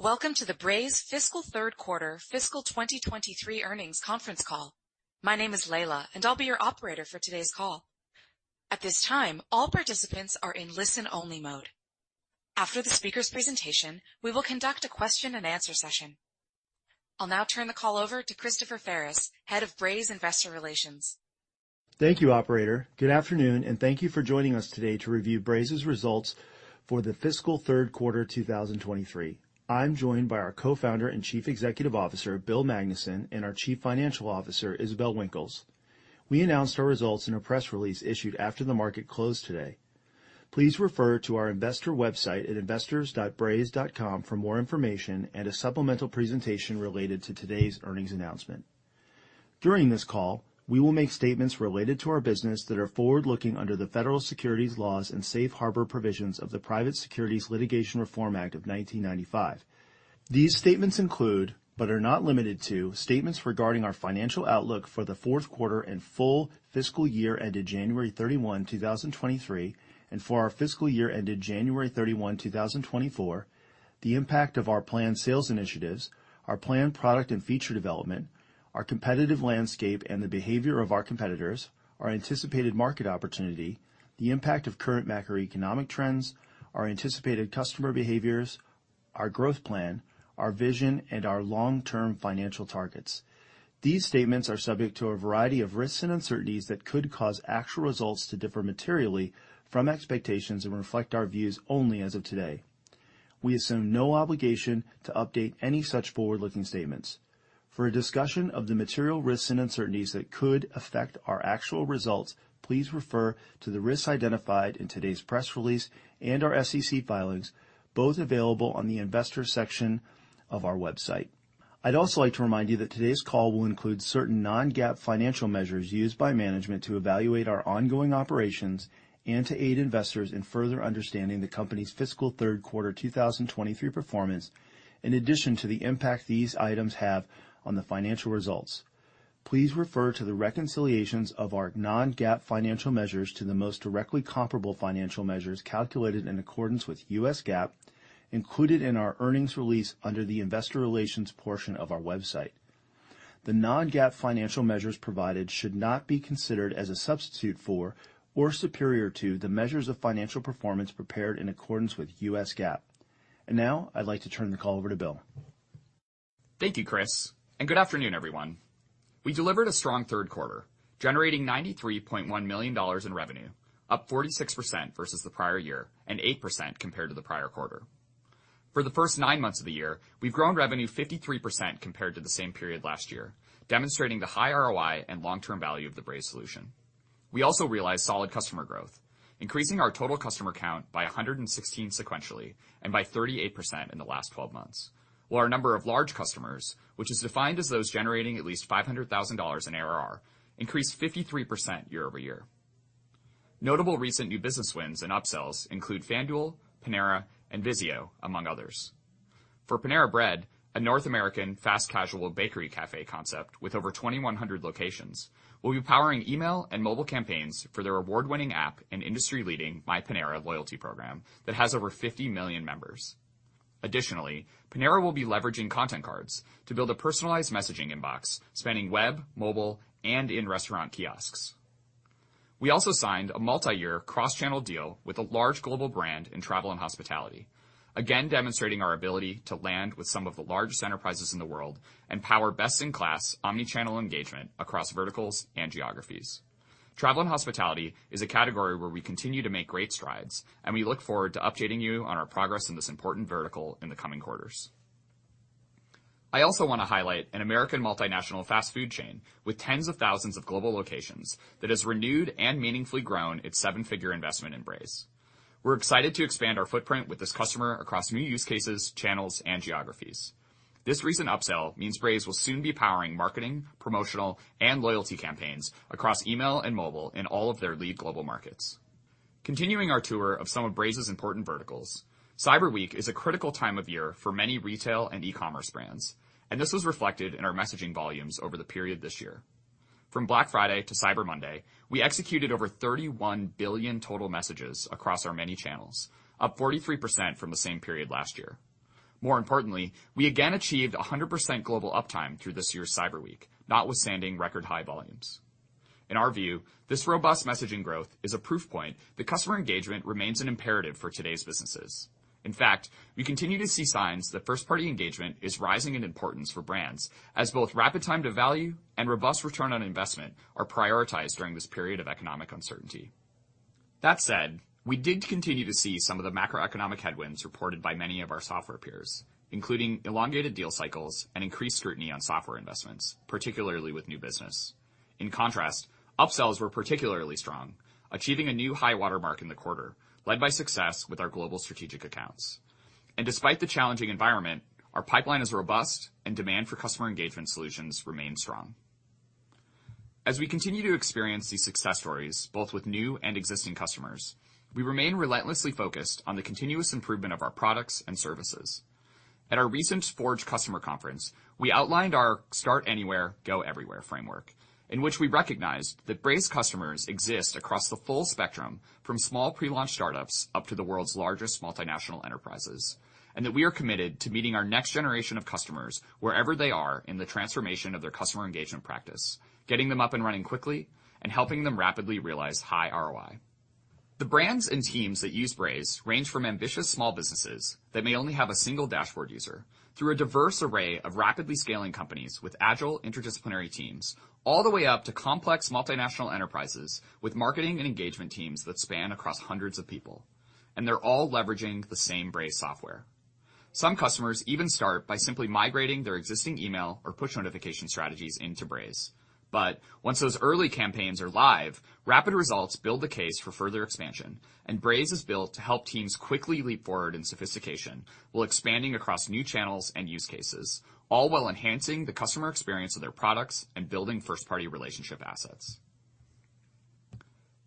Welcome to the Braze Fiscal Third Quarter Fiscal 2023 Earnings Conference Call. My name is Layla, and I'll be your operator for today's call. At this time, all participants are in listen-only mode. After the speaker's presentation, we will conduct a question-and-answer session. I'll now turn the call over to Christopher Ferris, Head of Braze Investor Relations. Thank you, operator. Good afternoon, and thank you for joining us today to review Braze's results for the Fiscal Third Quarter 2023. I'm joined by our Co-founder and Chief Executive Officer, Bill Magnuson, and our Chief Financial Officer, Isabelle Winkles. We announced our results in a press release issued after the market closed today. Please refer to our investor website at investors.braze.com for more information and a supplemental presentation related to today's earnings announcement. During this call, we will make statements related to our business that are forward-looking under the federal securities laws and safe harbor provisions of the Private Securities Litigation Reform Act of 1995. These statements include, but are not limited to, statements regarding our financial outlook for the fourth quarter and full fiscal year ended January 31, 2023, and for our fiscal year ended January 31, 2024, the impact of our planned sales initiatives, our planned product and feature development, our competitive landscape, and the behavior of our competitors, our anticipated market opportunity, the impact of current macroeconomic trends, our anticipated customer behaviors, our growth plan, our vision, and our long-term financial targets. These statements are subject to a variety of risks and uncertainties that could cause actual results to differ materially from expectations and reflect our views only as of today. We assume no obligation to update any such forward-looking statements. For a discussion of the material risks and uncertainties that could affect our actual results, please refer to the risks identified in today's press release and our SEC filings, both available on the investor section of our website. I'd also like to remind you that today's call will include certain non-GAAP financial measures used by management to evaluate our ongoing operations and to aid investors in further understanding the company's fiscal third quarter 2023 performance, in addition to the impact these items have on the financial results. Please refer to the reconciliations of our non-GAAP financial measures to the most directly comparable financial measures calculated in accordance with U.S. GAAP included in our earnings release under the investor relations portion of our website. The non-GAAP financial measures provided should not be considered as a substitute for or superior to the measures of financial performance prepared in accordance with U.S. GAAP. Now, I'd like to turn the call over to Bill. Thank you, Chris. Good afternoon, everyone. We delivered a strong third quarter, generating $93.1 million in revenue, up 46% versus the prior year and 8% compared to the prior quarter. For the first nine months of the year, we've grown revenue 53% compared to the same period last year, demonstrating the high ROI and long-term value of the Braze solution. We also realized solid customer growth, increasing our total customer count by 116 sequentially and by 38% in the last 12 months, while our number of large customers, which is defined as those generating at least $500,000 in ARR, increased 53% year-over-year. Notable recent new business wins and upsells include FanDuel, Panera, and VIZIO, among others. For Panera Bread, a North American fast casual bakery cafe concept with over 2,100 locations, we'll be powering email and mobile campaigns for their award-winning app and industry-leading MyPanera loyalty program that has over 50 million members. Additionally, Panera will be leveraging Content Cards to build a personalized messaging inbox spanning web, mobile, and in-restaurant kiosks. We also signed a multi-year cross-channel deal with a large global brand in travel and hospitality. Again, demonstrating our ability to land with some of the largest enterprises in the world and power best-in-class omni-channel engagement across verticals and geographies. Travel and hospitality is a category where we continue to make great strides, and we look forward to updating you on our progress in this important vertical in the coming quarters. I also want to highlight an American multinational fast food chain with tens of thousands of global locations that has renewed and meaningfully grown its $7-figure investment in Braze. We're excited to expand our footprint with this customer across new use cases, channels, and geographies. This recent upsell means Braze will soon be powering marketing, promotional, and loyalty campaigns across email and mobile in all of their lead global markets. Continuing our tour of some of Braze's important verticals, Cyber Week is a critical time of year for many retail and e-commerce brands, and this was reflected in our messaging volumes over the period this year. From Black Friday to Cyber Monday, we executed over 31 billion total messages across our many channels, up 43% from the same period last year. More importantly, we again achieved 100% global uptime through this year's Cyber Week, notwithstanding record high volumes. In our view, this robust messaging growth is a proof point that customer engagement remains an imperative for today's businesses. In fact, we continue to see signs that first-party engagement is rising in importance for brands as both rapid time to value and robust return on investment are prioritized during this period of economic uncertainty. That said, we did continue to see some of the macroeconomic headwinds reported by many of our software peers, including elongated deal cycles and increased scrutiny on software investments, particularly with new business. In contrast, upsells were particularly strong, achieving a new high water mark in the quarter, led by success with our global strategic accounts. Despite the challenging environment, our pipeline is robust and demand for customer engagement solutions remains strong. As we continue to experience these success stories, both with new and existing customers, we remain relentlessly focused on the continuous improvement of our products and services. At our recent Forge customer conference, we outlined our Start Anywhere, Go Everywhere framework, in which we recognized that Braze customers exist across the full spectrum from small pre-launch startups up to the world's largest multinational enterprises, and that we are committed to meeting our next generation of customers wherever they are in the transformation of their customer engagement practice, getting them up and running quickly, and helping them rapidly realize high ROI. The brands and teams that use Braze range from ambitious small businesses that may only have a single dashboard user, through a diverse array of rapidly scaling companies with agile interdisciplinary teams, all the way up to complex multinational enterprises with marketing and engagement teams that span across hundreds of people, they're all leveraging the same Braze software. Some customers even start by simply migrating their existing email or push notification strategies into Braze. Once those early campaigns are live, rapid results build the case for further expansion. Braze is built to help teams quickly leap forward in sophistication while expanding across new channels and use cases, all while enhancing the customer experience of their products and building first-party relationship assets.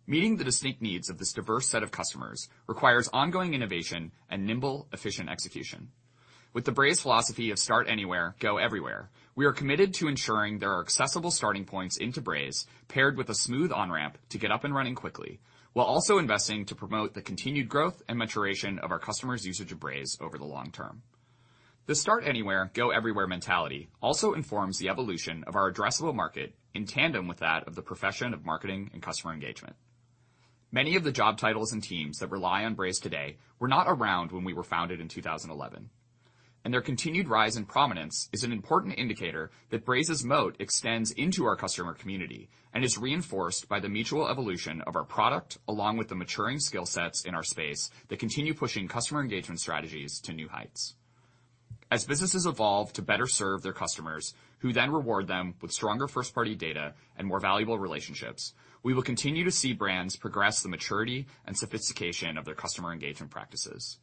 Meeting the distinct needs of this diverse set of customers requires ongoing innovation and nimble, efficient execution. With the Braze philosophy of Start Anywhere, Go Everywhere, we are committed to ensuring there are accessible starting points into Braze, paired with a smooth on-ramp to get up and running quickly, while also investing to promote the continued growth and maturation of our customers' usage of Braze over the long term. The Start Anywhere, Go Everywhere mentality also informs the evolution of our addressable market in tandem with that of the profession of marketing and customer engagement. Many of the job titles and teams that rely on Braze today were not around when we were founded in 2011, and their continued rise in prominence is an important indicator that Braze's moat extends into our customer community and is reinforced by the mutual evolution of our product, along with the maturing skill sets in our space that continue pushing customer engagement strategies to new heights. As businesses evolve to better serve their customers, who then reward them with stronger first-party data and more valuable relationships, we will continue to see brands progress the maturity and sophistication of their customer engagement practices.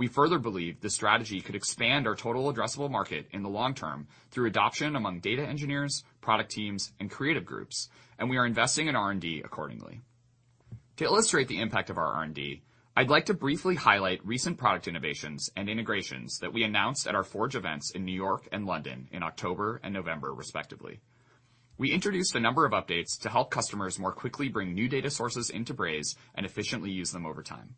We further believe this strategy could expand our total addressable market in the long term through adoption among data engineers, product teams, and creative groups, and we are investing in R&D accordingly. To illustrate the impact of our R&D, I'd like to briefly highlight recent product innovations and integrations that we announced at our Forge events in New York and London in October and November, respectively. We introduced a number of updates to help customers more quickly bring new data sources into Braze and efficiently use them over time.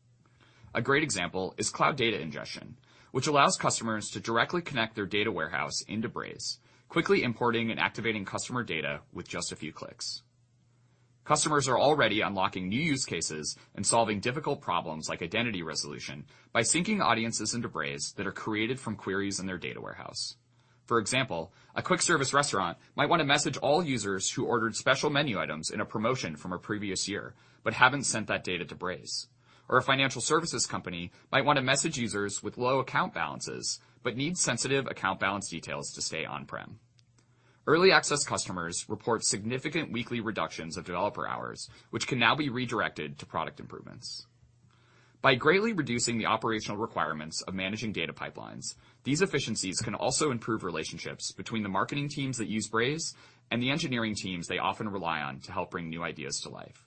A great example is Cloud Data Ingestion, which allows customers to directly connect their data warehouse into Braze, quickly importing and activating customer data with just a few clicks. Customers are already unlocking new use cases and solving difficult problems like identity resolution by syncing audiences into Braze that are created from queries in their data warehouse. For example, a quick-service restaurant might want to message all users who ordered special menu items in a promotion from a previous year but haven't sent that data to Braze. Or a financial services company might want to message users with low account balances but need sensitive account balance details to stay on-prem. Early access customers report significant weekly reductions of developer hours, which can now be redirected to product improvements. By greatly reducing the operational requirements of managing data pipelines, these efficiencies can also improve relationships between the marketing teams that use Braze and the engineering teams they often rely on to help bring new ideas to life.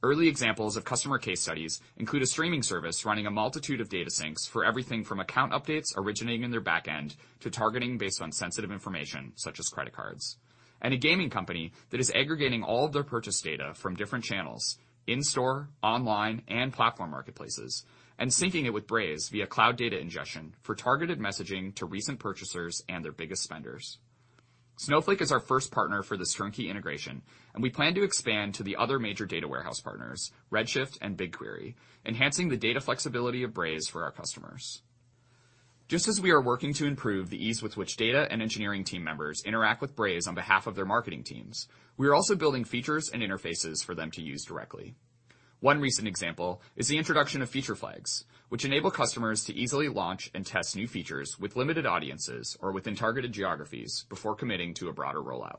Early examples of customer case studies include a streaming service running a multitude of data syncs for everything from account updates originating in their back end to targeting based on sensitive information such as credit cards. A gaming company that is aggregating all of their purchase data from different channels in-store, online, and platform marketplaces and syncing it with Braze via Cloud Data Ingestion for targeted messaging to recent purchasers and their biggest spenders. Snowflake is our first partner for this turnkey integration, and we plan to expand to the other major data warehouse partners, Redshift and BigQuery, enhancing the data flexibility of Braze for our customers. Just as we are working to improve the ease with which data and engineering team members interact with Braze on behalf of their marketing teams, we are also building features and interfaces for them to use directly. One recent example is the introduction of Feature Flags, which enable customers to easily launch and test new features with limited audiences or within targeted geographies before committing to a broader rollout.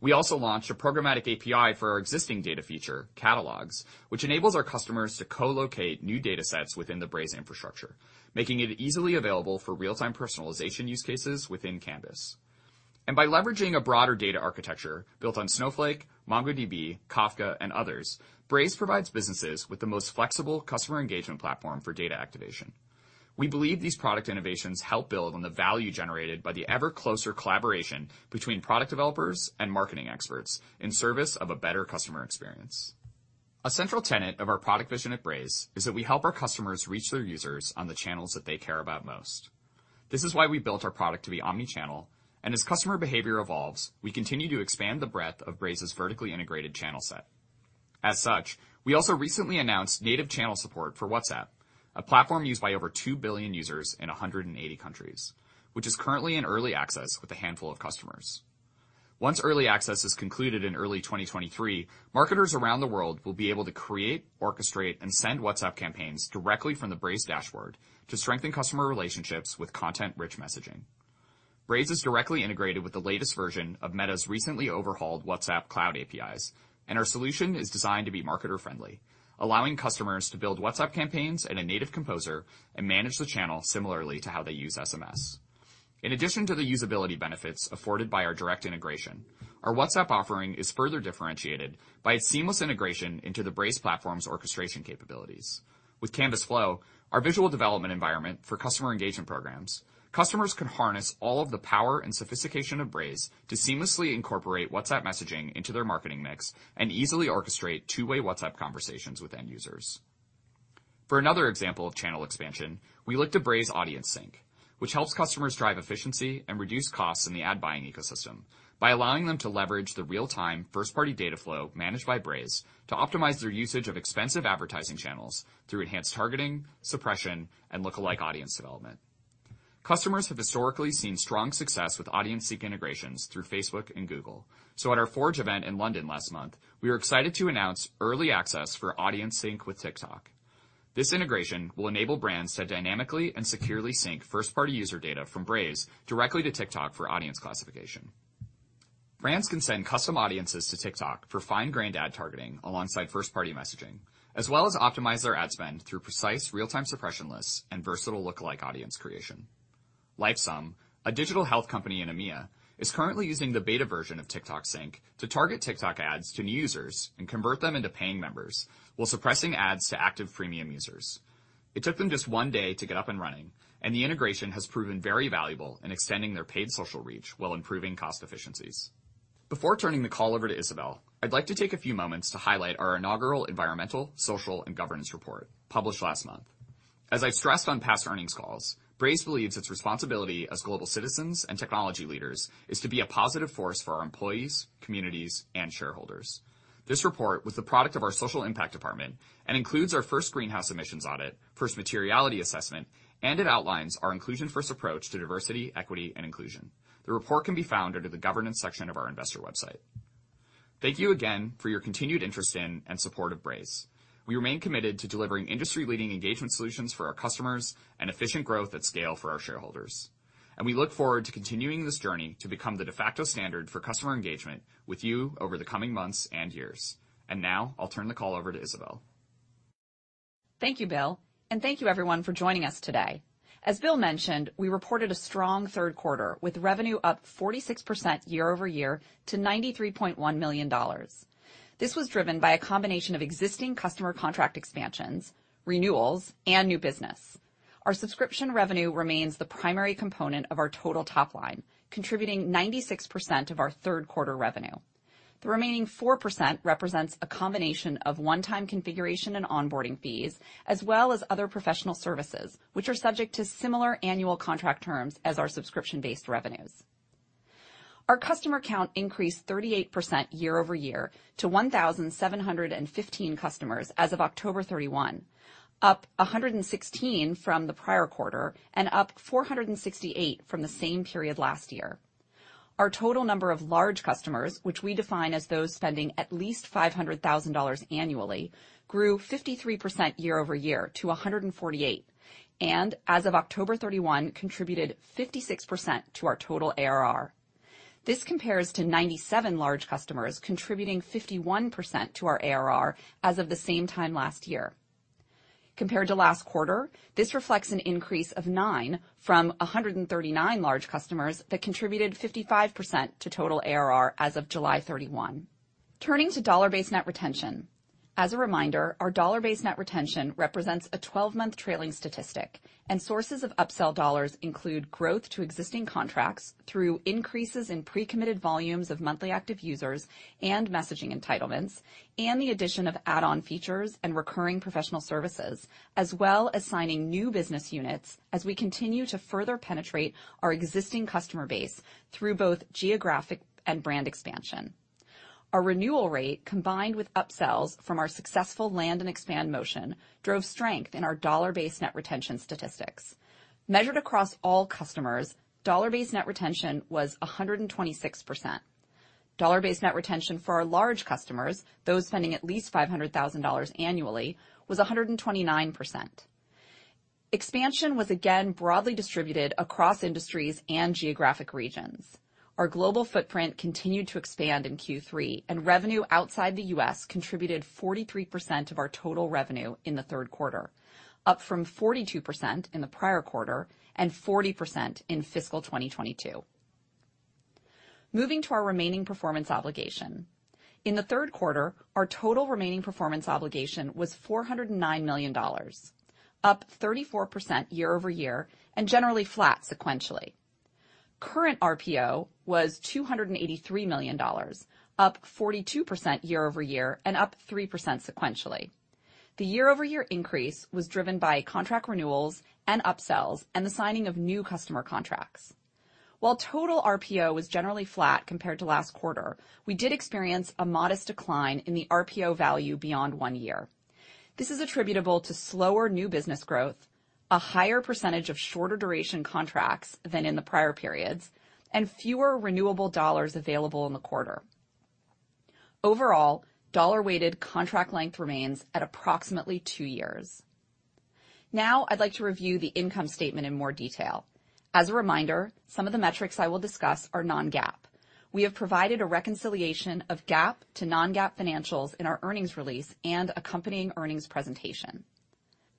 We also launched a programmatic API for our existing data feature, Catalogs, which enables our customers to co-locate new data sets within the Braze infrastructure, making it easily available for real-time personalization use cases within Canvas. By leveraging a broader data architecture built on Snowflake, MongoDB, Kafka, and others, Braze provides businesses with the most flexible customer engagement platform for data activation. We believe these product innovations help build on the value generated by the ever-closer collaboration between product developers and marketing experts in service of a better customer experience. A central tenet of our product vision at Braze is that we help our customers reach their users on the channels that they care about most. This is why we built our product to be omnichannel, and as customer behavior evolves, we continue to expand the breadth of Braze's vertically integrated channel set. As such, we also recently announced native channel support for WhatsApp, a platform used by over 2 billion users in 180 countries, which is currently in early access with a handful of customers. Once early access is concluded in early 2023, marketers around the world will be able to create, orchestrate, and send WhatsApp campaigns directly from the Braze dashboard to strengthen customer relationships with content-rich messaging. Braze is directly integrated with the latest version of Meta's recently overhauled WhatsApp cloud APIs, and our solution is designed to be marketer-friendly, allowing customers to build WhatsApp campaigns in a native composer and manage the channel similarly to how they use SMS. In addition to the usability benefits afforded by our direct integration, our WhatsApp offering is further differentiated by its seamless integration into the Braze platform's orchestration capabilities. With Canvas Flow, our visual development environment for customer engagement programs, customers can harness all of the power and sophistication of Braze to seamlessly incorporate WhatsApp messaging into their marketing mix and easily orchestrate two-way WhatsApp conversations with end users. For another example of channel expansion, we look to Braze Audience Sync, which helps customers drive efficiency and reduce costs in the ad buying ecosystem by allowing them to leverage the real-time first-party data flow managed by Braze to optimize their usage of expensive advertising channels through enhanced targeting, suppression, and lookalike audience development. Customers have historically seen strong success with Audience Sync integrations through Facebook and Google. At our Forge event in London last month, we are excited to announce early access for Audience Sync with TikTok. This integration will enable brands to dynamically and securely sync first-party user data from Braze directly to TikTok for audience classification. Brands can send custom audiences to TikTok for fine-grained ad targeting alongside first-party messaging, as well as optimize their ad spend through precise real-time suppression lists and versatile lookalike audience creation. Lifesum, a digital health company in EMEA, is currently using the beta version of TikTok Sync to target TikTok ads to new users and convert them into paying members while suppressing ads to active freemium users. It took them just one day to get up and running, and the integration has proven very valuable in extending their paid social reach while improving cost efficiencies. Before turning the call over to Isabelle, I'd like to take a few moments to highlight our inaugural environmental, social, and governance report published last month. As I've stressed on past earnings calls, Braze believes its responsibility as global citizens and technology leaders is to be a positive force for our employees, communities, and shareholders. This report was the product of our social impact department and includes our first greenhouse emissions audit, first materiality assessment, and it outlines our inclusion-first approach to diversity, equity, and inclusion. The report can be found under the governance section of our investor website. Thank you again for your continued interest in and support of Braze. We remain committed to delivering industry-leading engagement solutions for our customers and efficient growth at scale for our shareholders. We look forward to continuing this journey to become the de facto standard for customer engagement with you over the coming months and years. Now I'll turn the call over to Isabelle. Thank you, Bill, thank you everyone for joining us today. As Bill mentioned, we reported a strong third quarter with revenue up 46% year-over-year to $93.1 million. This was driven by a combination of existing customer contract expansions, renewals, and new business. Our subscription revenue remains the primary component of our total top line, contributing 96% of our third quarter revenue. The remaining 4% represents a combination of one-time configuration and onboarding fees, as well as other professional services, which are subject to similar annual contract terms as our subscription-based revenues. Our customer count increased 38% year-over-year to 1,715 customers as of October 31, up 116 from the prior quarter and up 468 from the same period last year. Our total number of large customers, which we define as those spending at least $500,000 annually, grew 53% year-over-year to 148, and as of October 31, contributed 56% to our total ARR. This compares to 97 large customers contributing 51% to our ARR as of the same time last year. Compared to last quarter, this reflects an increase of nine from 139 large customers that contributed 55% to total ARR as of July 31. Turning to dollar-based net retention. As a reminder, our dollar-based net retention represents a 12-month trailing statistic, and sources of upsell dollars include growth to existing contracts through increases in pre-committed volumes of Monthly Active Users and messaging entitlements, and the addition of add-on features and recurring professional services, as well as signing new business units as we continue to further penetrate our existing customer base through both geographic and brand expansion. Our renewal rate, combined with upsells from our successful land and expand motion, drove strength in our dollar-based net retention statistics. Measured across all customers, dollar-based net retention was 126%. Dollar-based net retention for our large customers, those spending at least $500,000 annually, was 129%. Expansion was again broadly distributed across industries and geographic regions. Our global footprint continued to expand in Q3. Revenue outside the U.S. contributed 43% of our total revenue in the third quarter, up from 42% in the prior quarter and 40% in fiscal 2022. Moving to our remaining performance obligation. In the third quarter, our total remaining performance obligation was $409 million, up 34% year-over-year and generally flat sequentially. Current RPO was $283 million, up 42% year-over-year and up 3% sequentially. The year-over-year increase was driven by contract renewals and upsells and the signing of new customer contracts. While total RPO was generally flat compared to last quarter, we did experience a modest decline in the RPO value beyond one year. This is attributable to slower new business growth, a higher percentage of shorter duration contracts than in the prior periods, and fewer renewable dollars available in the quarter. Overall, dollar-weighted contract length remains at approximately 2 years. I'd like to review the income statement in more detail. As a reminder, some of the metrics I will discuss are non-GAAP. We have provided a reconciliation of GAAP to non-GAAP financials in our earnings release and accompanying earnings presentation.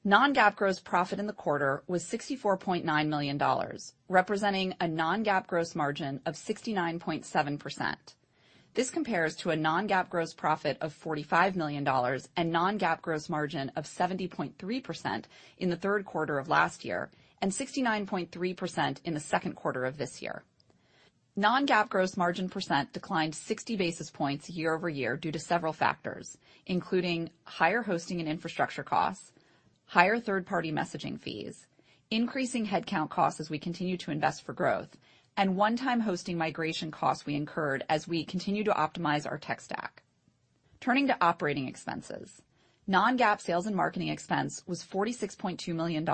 non-GAAP gross profit in the quarter was $64.9 million, representing a non-GAAP gross margin of 69.7%. This compares to a non-GAAP gross profit of $45 million and non-GAAP gross margin of 70.3% in the third quarter of last year and 69.3% in the second quarter of this year. non-GAAP gross margin % declined 60 basis points year-over-year due to several factors, including higher hosting and infrastructure costs, higher third-party messaging fees, increasing headcount costs as we continue to invest for growth, and one-time hosting migration costs we incurred as we continue to optimize our tech stack. Turning to operating expenses. non-GAAP sales and marketing expense was $46.2 million,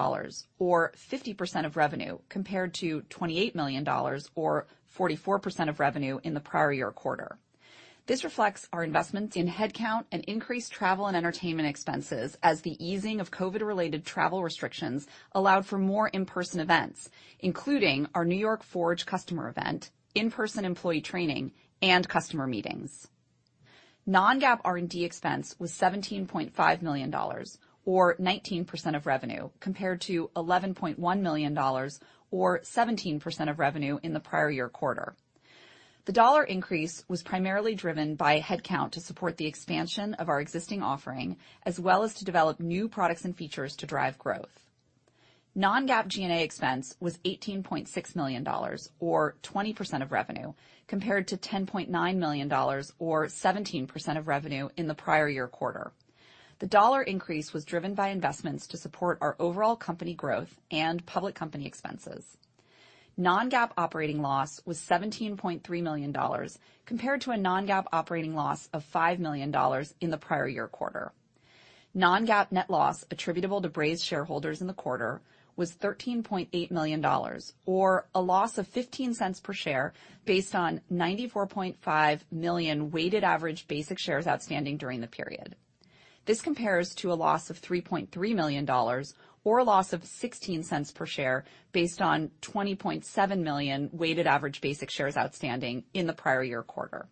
or 50% of revenue, compared to $28 million or 44% of revenue in the prior year quarter. This reflects our investments in headcount and increased travel and entertainment expenses as the easing of COVID-related travel restrictions allowed for more in-person events, including our New York Forge customer event, in-person employee training, and customer meetings. Non-GAAP R&D expense was $17.5 million, or 19% of revenue, compared to $11.1 million, or 17% of revenue in the prior year quarter. The dollar increase was primarily driven by headcount to support the expansion of our existing offering, as well as to develop new products and features to drive growth. Non-GAAP G&A expense was $18.6 million, or 20% of revenue, compared to $10.9 million or 17% of revenue in the prior year quarter. The dollar increase was driven by investments to support our overall company growth and public company expenses. Non-GAAP operating loss was $17.3 million, compared to a non-GAAP operating loss of $5 million in the prior year quarter. Non-GAAP net loss attributable to Braze shareholders in the quarter was $13.8 million or a loss of $0.15 per share based on 94.5 million weighted average basic shares outstanding during the period. This compares to a loss of $3.3 million or a loss of $0.16 per share based on 20.7 million weighted average basic shares outstanding in the prior year quarter.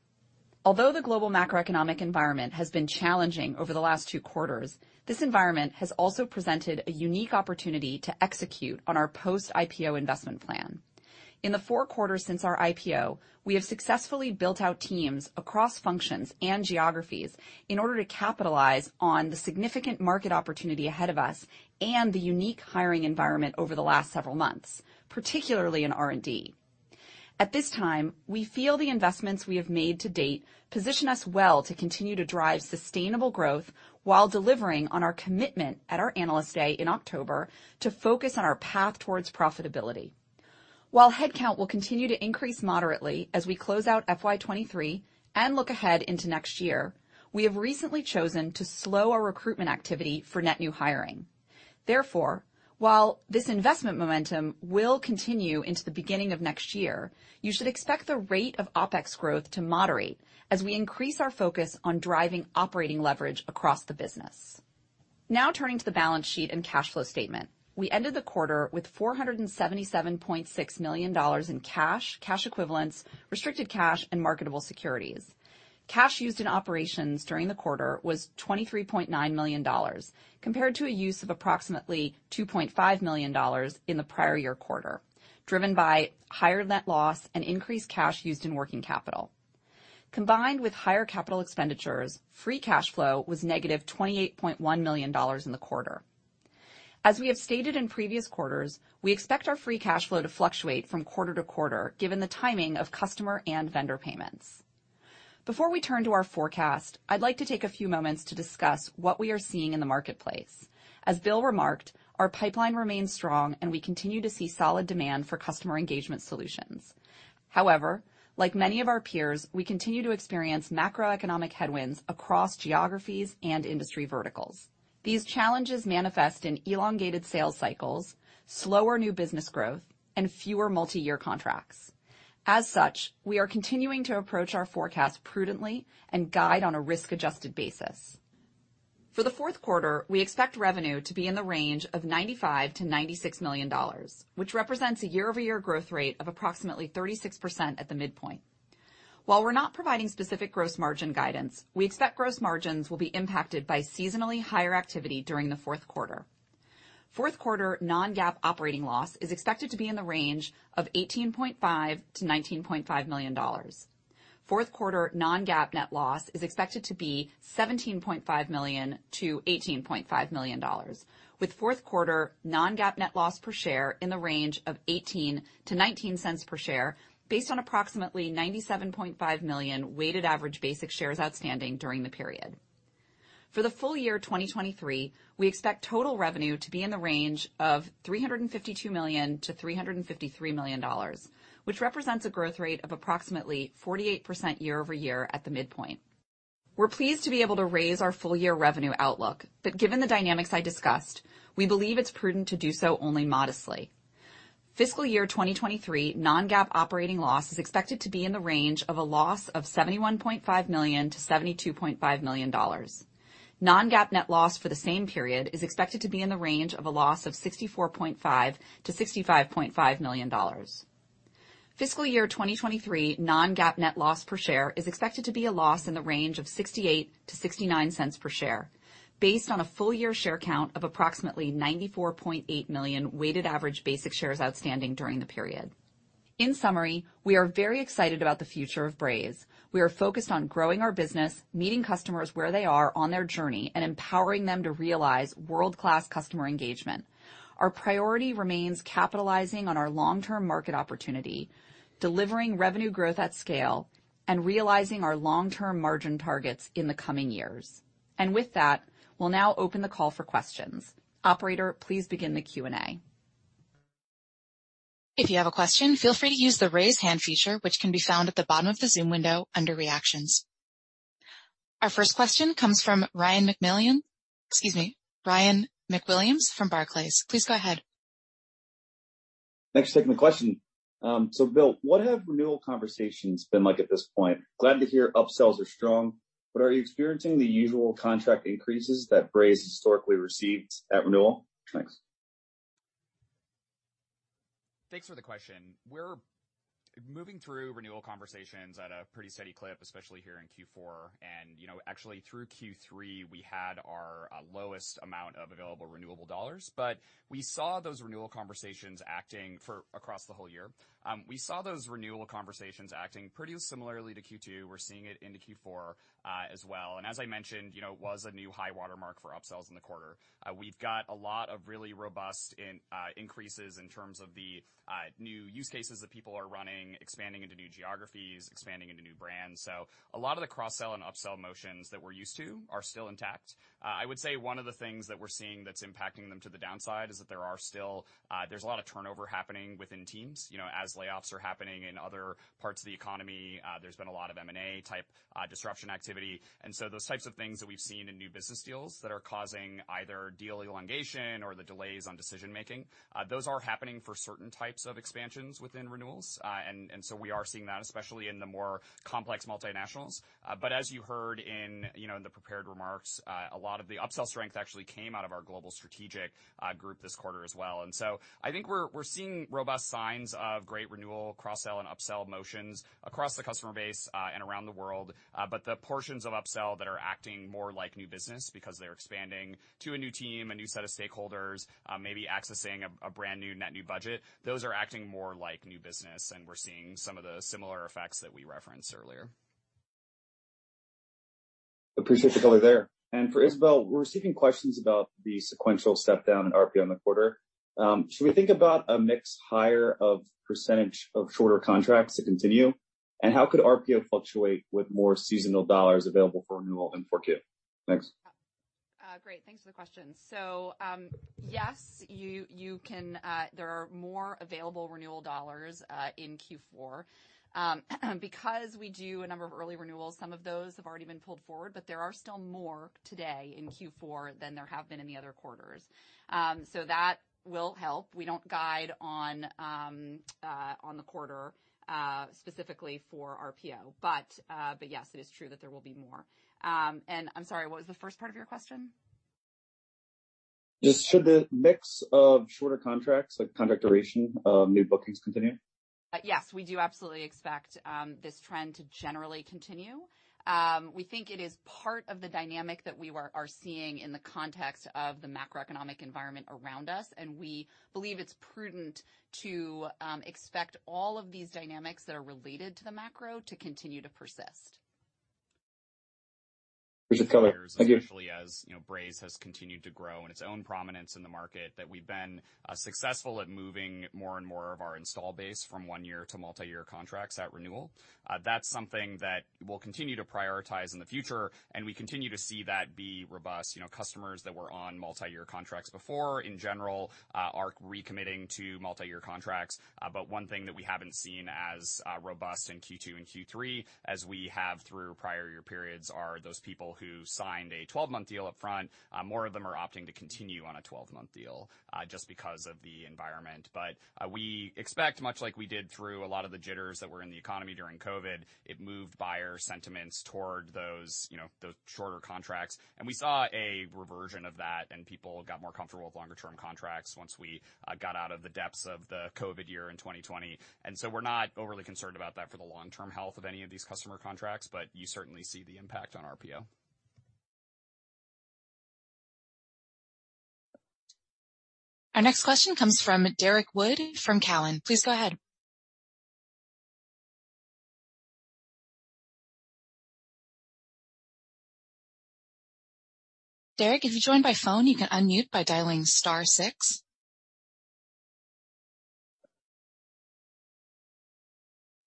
Although the global macroeconomic environment has been challenging over the last two quarters, this environment has also presented a unique opportunity to execute on our post-IPO investment plan. In the four quarters since our IPO, we have successfully built out teams across functions and geographies in order to capitalize on the significant market opportunity ahead of us and the unique hiring environment over the last several months, particularly in R&D. At this time, we feel the investments we have made to date position us well to continue to drive sustainable growth while delivering on our commitment at our Analyst Day in October to focus on our path towards profitability. While headcount will continue to increase moderately as we close out FY 2023 and look ahead into next year, we have recently chosen to slow our recruitment activity for net new hiring. While this investment momentum will continue into the beginning of next year, you should expect the rate of OpEx growth to moderate as we increase our focus on driving operating leverage across the business. Turning to the balance sheet and cash flow statement. We ended the quarter with $477.6 million in cash equivalents, restricted cash and marketable securities. Cash used in operations during the quarter was $23.9 million, compared to a use of approximately $2.5 million in the prior year quarter, driven by higher net loss and increased cash used in working capital. Combined with higher capital expenditures, free cash flow was negative $28.1 million in the quarter. As we have stated in previous quarters, we expect our free cash flow to fluctuate from quarter to quarter given the timing of customer and vendor payments. Before we turn to our forecast, I'd like to take a few moments to discuss what we are seeing in the marketplace. As Bill remarked, our pipeline remains strong, and we continue to see solid demand for customer engagement solutions. However, like many of our peers, we continue to experience macroeconomic headwinds across geographies and industry verticals. These challenges manifest in elongated sales cycles, slower new business growth, and fewer multi-year contracts. As such, we are continuing to approach our forecast prudently and guide on a risk-adjusted basis. For the fourth quarter, we expect revenue to be in the range of $95 million-$96 million, which represents a year-over-year growth rate of approximately 36% at the midpoint. While we're not providing specific gross margin guidance, we expect gross margins will be impacted by seasonally higher activity during the fourth quarter. Fourth quarter non-GAAP operating loss is expected to be in the range of $18.5 million-$19.5 million. Fourth quarter non-GAAP net loss is expected to be $17.5 million-$18.5 million, with fourth quarter non-GAAP net loss per share in the range of $0.18-$0.19 per share, based on approximately 97.5 million weighted average basic shares outstanding during the period. For the full year 2023, we expect total revenue to be in the range of $352 million-$353 million, which represents a growth rate of approximately 48% year-over-year at the midpoint. We're pleased to be able to raise our full year revenue outlook. Given the dynamics I discussed, we believe it's prudent to do so only modestly. Fiscal year 2023 non-GAAP operating loss is expected to be in the range of a loss of $71.5 million-$72.5 million. Non-GAAP net loss for the same period is expected to be in the range of a loss of $64.5 million-$65.5 million. Fiscal year 2023 non-GAAP net loss per share is expected to be a loss in the range of $0.68-$0.69 per share based on a full year share count of approximately 94.8 million weighted average basic shares outstanding during the period. In summary, we are very excited about the future of Braze. We are focused on growing our business, meeting customers where they are on their journey, and empowering them to realize world-class customer engagement. Our priority remains capitalizing on our long-term market opportunity, delivering revenue growth at scale, and realizing our long-term margin targets in the coming years. With that, we'll now open the call for questions. Operator, please begin the Q&A. If you have a question, feel free to use the raise hand feature, which can be found at the bottom of the Zoom window under Reactions. Our first question comes from Ryan MacWilliams. Excuse me, Ryan MacWilliams from Barclays. Please go ahead. Thanks for taking the question. Bill, what have renewal conversations been like at this point? Glad to hear upsells are strong, but are you experiencing the usual contract increases that Braze historically received at renewal? Thanks. Thanks for the question. We're moving through renewal conversations at a pretty steady clip, especially here in Q4. You know, actually through Q3, we had our lowest amount of available renewable dollars. We saw those renewal conversations acting for across the whole year. We saw those renewal conversations acting pretty similarly to Q2. We're seeing it into Q4 as well. As I mentioned, you know, it was a new high watermark for upsells in the quarter. We've got a lot of really robust increases in terms of the new use cases that people are running, expanding into new geographies, expanding into new brands. A lot of the cross-sell and upsell motions that we're used to are still intact. I would say one of the things that we're seeing that's impacting them to the downside is that there are still, there's a lot of turnover happening within teams, you know, as layoffs are happening in other parts of the economy. There's been a lot of M&A type disruption activity. Those types of things that we've seen in new business deals that are causing either deal elongation or the delays on decision-making, those are happening for certain types of expansions within renewals. We are seeing that, especially in the more complex multinationals. As you heard in, you know, in the prepared remarks, a lot of the upsell strength actually came out of our global strategic group this quarter as well. I think we're seeing robust signs of great renewal, cross-sell, and upsell motions across the customer base, and around the world. The portions of upsell that are acting more like new business because they're expanding to a new team, a new set of stakeholders, maybe accessing a brand new net new budget, those are acting more like new business, and we're seeing some of the similar effects that we referenced earlier. Appreciate the color there. For Isabelle, we're receiving questions about the sequential step down in RPO in the quarter. Should we think about a mix higher of percentage of shorter contracts to continue? How could RPO fluctuate with more seasonal dollars available for renewal in 4Q? Thanks. Great, thanks for the question. Yes, you can, there are more available renewal dollars in Q4. Because we do a number of early renewals, some of those have already been pulled forward, but there are still more today in Q4 than there have been in the other quarters. That will help. We don't guide on the quarter, specifically for RPO, but yes, it is true that there will be more. I'm sorry, what was the first part of your question? Just should the mix of shorter contracts, like contract duration of new bookings continue? Yes, we do absolutely expect this trend to generally continue. We think it is part of the dynamic that we are seeing in the context of the macroeconomic environment around us. We believe it's prudent to expect all of these dynamics that are related to the macro to continue to persist. Appreciate the color. Thank you. Actually, as, you know, Braze has continued to grow in its own prominence in the market, that we've been successful at moving more and more of our install base from 1-year to multi-year contracts at renewal. That's something that we'll continue to prioritize in the future, and we continue to see that be robust. You know, customers that were on multi-year contracts before, in general, are recommitting to multi-year contracts. But one thing that we haven't seen as robust in Q2 and Q3 as we have through prior year periods are those people who signed a 12-month deal up front. More of them are opting to continue on a 12-month deal, just because of the environment. We expect, much like we did through a lot of the jitters that were in the economy during COVID, it moved buyer sentiments toward those, you know, those shorter contracts. We saw a reversion of that, and people got more comfortable with longer term contracts once we got out of the depths of the COVID year in 2020. We're not overly concerned about that for the long-term health of any of these customer contracts, but you certainly see the impact on RPO. Our next question comes from Derrick Wood from Cowen. Please go ahead. Derrick, if you joined by phone, you can unmute by dialing star 6.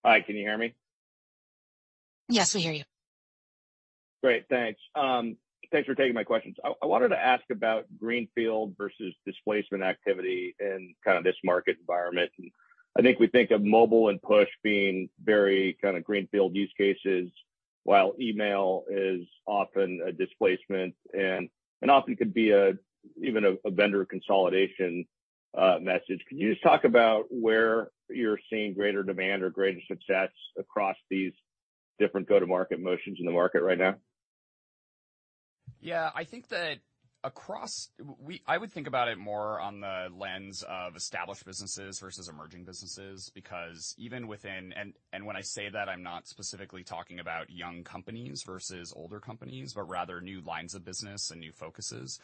Hi, can you hear me? Yes, we hear you. Great. Thanks. Thanks for taking my questions. I wanted to ask about greenfield versus displacement activity in kinda this market environment. I think we think of mobile and push being very kinda greenfield use cases, while email is often a displacement and often could be even a vendor consolidation message. Can you just talk about where you're seeing greater demand or greater success across these different go-to-market motions in the market right now? Yeah, I think that across I would think about it more on the lens of established businesses versus emerging businesses, because even within. When I say that, I'm not specifically talking about young companies versus older companies, but rather new lines of business and new focuses.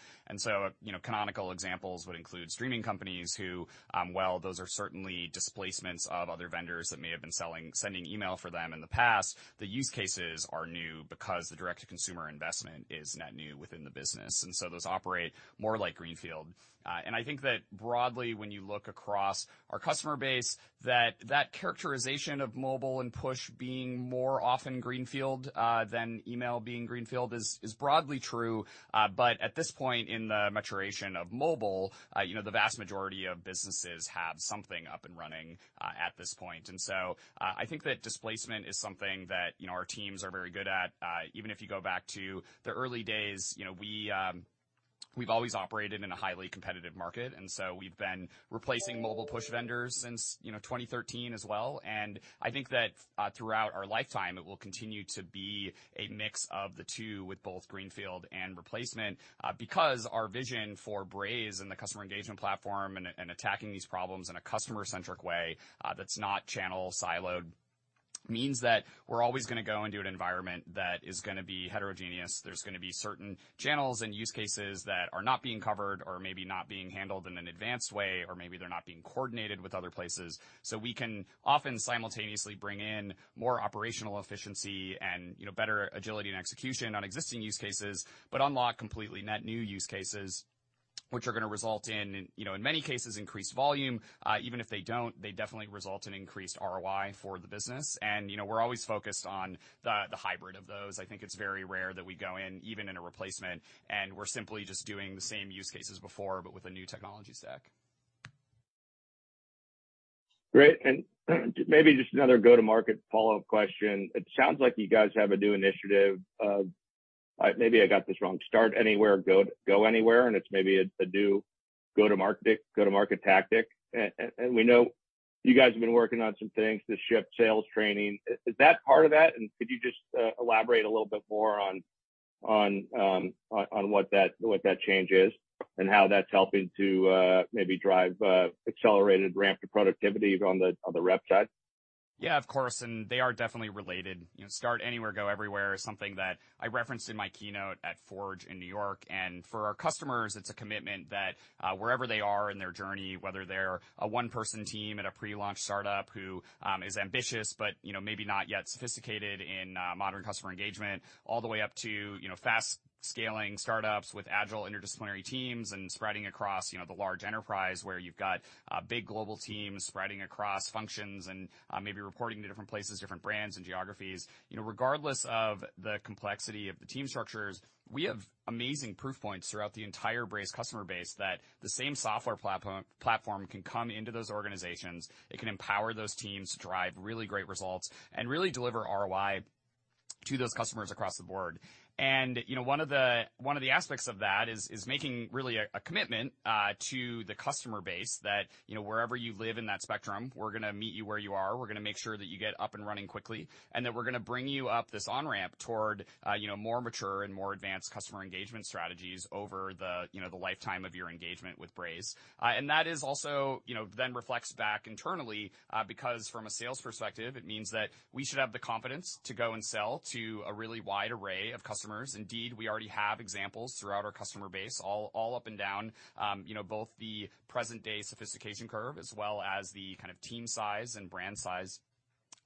You know, canonical examples would include streaming companies who, well, those are certainly displacements of other vendors that may have been sending email for them in the past. The use cases are new because the direct-to-consumer investment is net new within the business. Those operate more like greenfield. I think that broadly, when you look across our customer base, that that characterization of mobile and push being more often greenfield than email being greenfield is broadly true. At this point in the maturation of mobile, you know, the vast majority of businesses have something up and running at this point. I think that displacement is something that, you know, our teams are very good at. Even if you go back to the early days, you know, we've always operated in a highly competitive market, and so we've been replacing mobile push vendors since, you know, 2013 as well. I think that, throughout our lifetime it will continue to be a mix of the two with both greenfield and replacement, because our vision for Braze and the customer engagement platform and attacking these problems in a customer-centric way, that's not channel siloed, means that we're always gonna go into an environment that is gonna be heterogeneous. There's gonna be certain channels and use cases that are not being covered or maybe not being handled in an advanced way, or maybe they're not being coordinated with other places. We can often simultaneously bring in more operational efficiency and, you know, better agility and execution on existing use cases, but unlock completely net new use cases which are gonna result in, you know, in many cases increased volume. Even if they don't, they definitely result in increased ROI for the business. You know, we're always focused on the hybrid of those. I think it's very rare that we go in, even in a replacement, and we're simply just doing the same use cases before, but with a new technology stack. Great. Maybe just another go-to-market follow-up question. It sounds like you guys have a new initiative of, maybe I got this wrong, Start Anywhere, Go Anywhere, and it's maybe a new go-to-market tactic. We know you guys have been working on some things this shift, sales training. Is that part of that? Could you just elaborate a little bit more on what that change is and how that's helping to maybe drive accelerated ramp to productivity on the rep side? Yeah, of course. They are definitely related. You know, Start Anywhere, Go Everywhere is something that I referenced in my keynote at Forge in New York. For our customers, it's a commitment that wherever they are in their journey, whether they're a one-person team at a pre-launch startup who is ambitious but, you know, maybe not yet sophisticated in modern customer engagement, all the way up to, you know, fast-scaling startups with agile interdisciplinary teams and spreading across, you know, the large enterprise where you've got big global teams spreading across functions and maybe reporting to different places, different brands and geographies. You know, regardless of the complexity of the team structures, we have amazing proof points throughout the entire Braze customer base that the same software platform can come into those organizations. It can empower those teams to drive really great results and really deliver ROI to those customers across the board. You know, one of the aspects of that is making really a commitment to the customer base that, you know, wherever you live in that spectrum, we're gonna meet you where you are. We're gonna make sure that you get up and running quickly, and that we're gonna bring you up this on-ramp toward, you know, more mature and more advanced customer engagement strategies over the, you know, the lifetime of your engagement with Braze. That is also, you know, then reflects back internally, because from a sales perspective, it means that we should have the confidence to go and sell to a really wide array of customers. Indeed, we already have examples throughout our customer base, all up and down, you know, both the present day sophistication curve as well as the kind of team size and brand size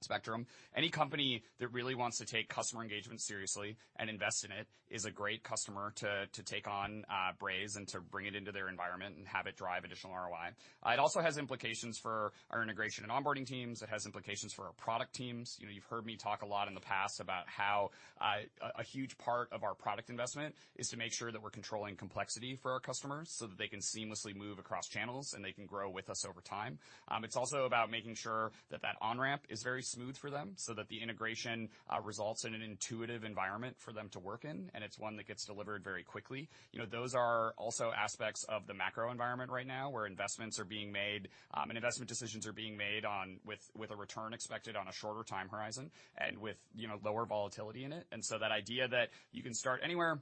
spectrum. Any company that really wants to take customer engagement seriously and invest in it is a great customer to take on Braze and to bring it into their environment and have it drive additional ROI. It also has implications for our integration and onboarding teams. It has implications for our product teams. You know, you've heard me talk a lot in the past about how a huge part of our product investment is to make sure that we're controlling complexity for our customers so that they can seamlessly move across channels and they can grow with us over time. It's also about making sure that on-ramp is very smooth for them so that the integration results in an intuitive environment for them to work in, and it's one that gets delivered very quickly. You know, those are also aspects of the macro environment right now, where investments are being made, and investment decisions are being made with a return expected on a shorter time horizon and with, you know, lower volatility in it. That idea that you can Start Anywhere,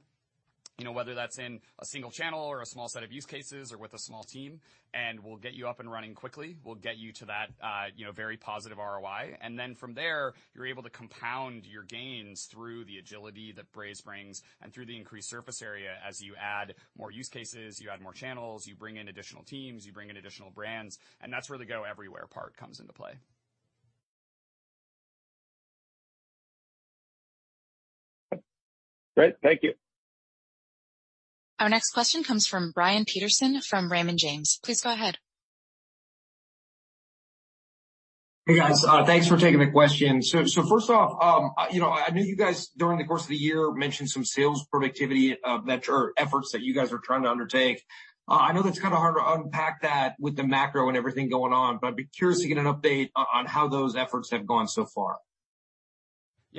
you know, whether that's in a single channel or a small set of use cases or with a small team, and we'll get you up and running quickly. We'll get you to that, you know, very positive ROI. And then from there, you're able to compound your gains through the agility that Braze brings and through the increased surface area as you add more use cases, you add more channels, you bring in additional teams, you bring in additional brands, and that's where the Go Everywhere part comes into play. Great. Thank you. Our next question comes from Brian Peterson from Raymond James. Please go ahead. Hey, guys. Thanks for taking the question. First off, you know, I know you guys, during the course of the year, mentioned some sales productivity efforts that you guys are trying to undertake. I know that's kind of hard to unpack that with the macro and everything going on, I'd be curious to get an update on how those efforts have gone so far. Yeah,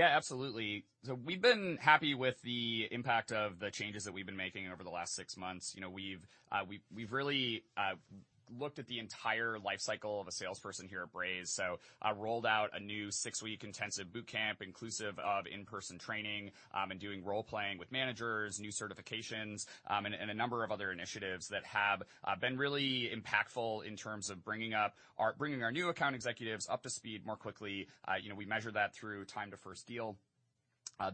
absolutely. We've been happy with the impact of the changes that we've been making over the last six months. You know, we've really looked at the entire life cycle of a salesperson here at Braze. Rolled out a new six-week intensive boot camp, inclusive of in-person training, and doing role-playing with managers, new certifications, and a number of other initiatives that have been really impactful in terms of bringing our new account executives up to speed more quickly. You know, we measure that through time to first deal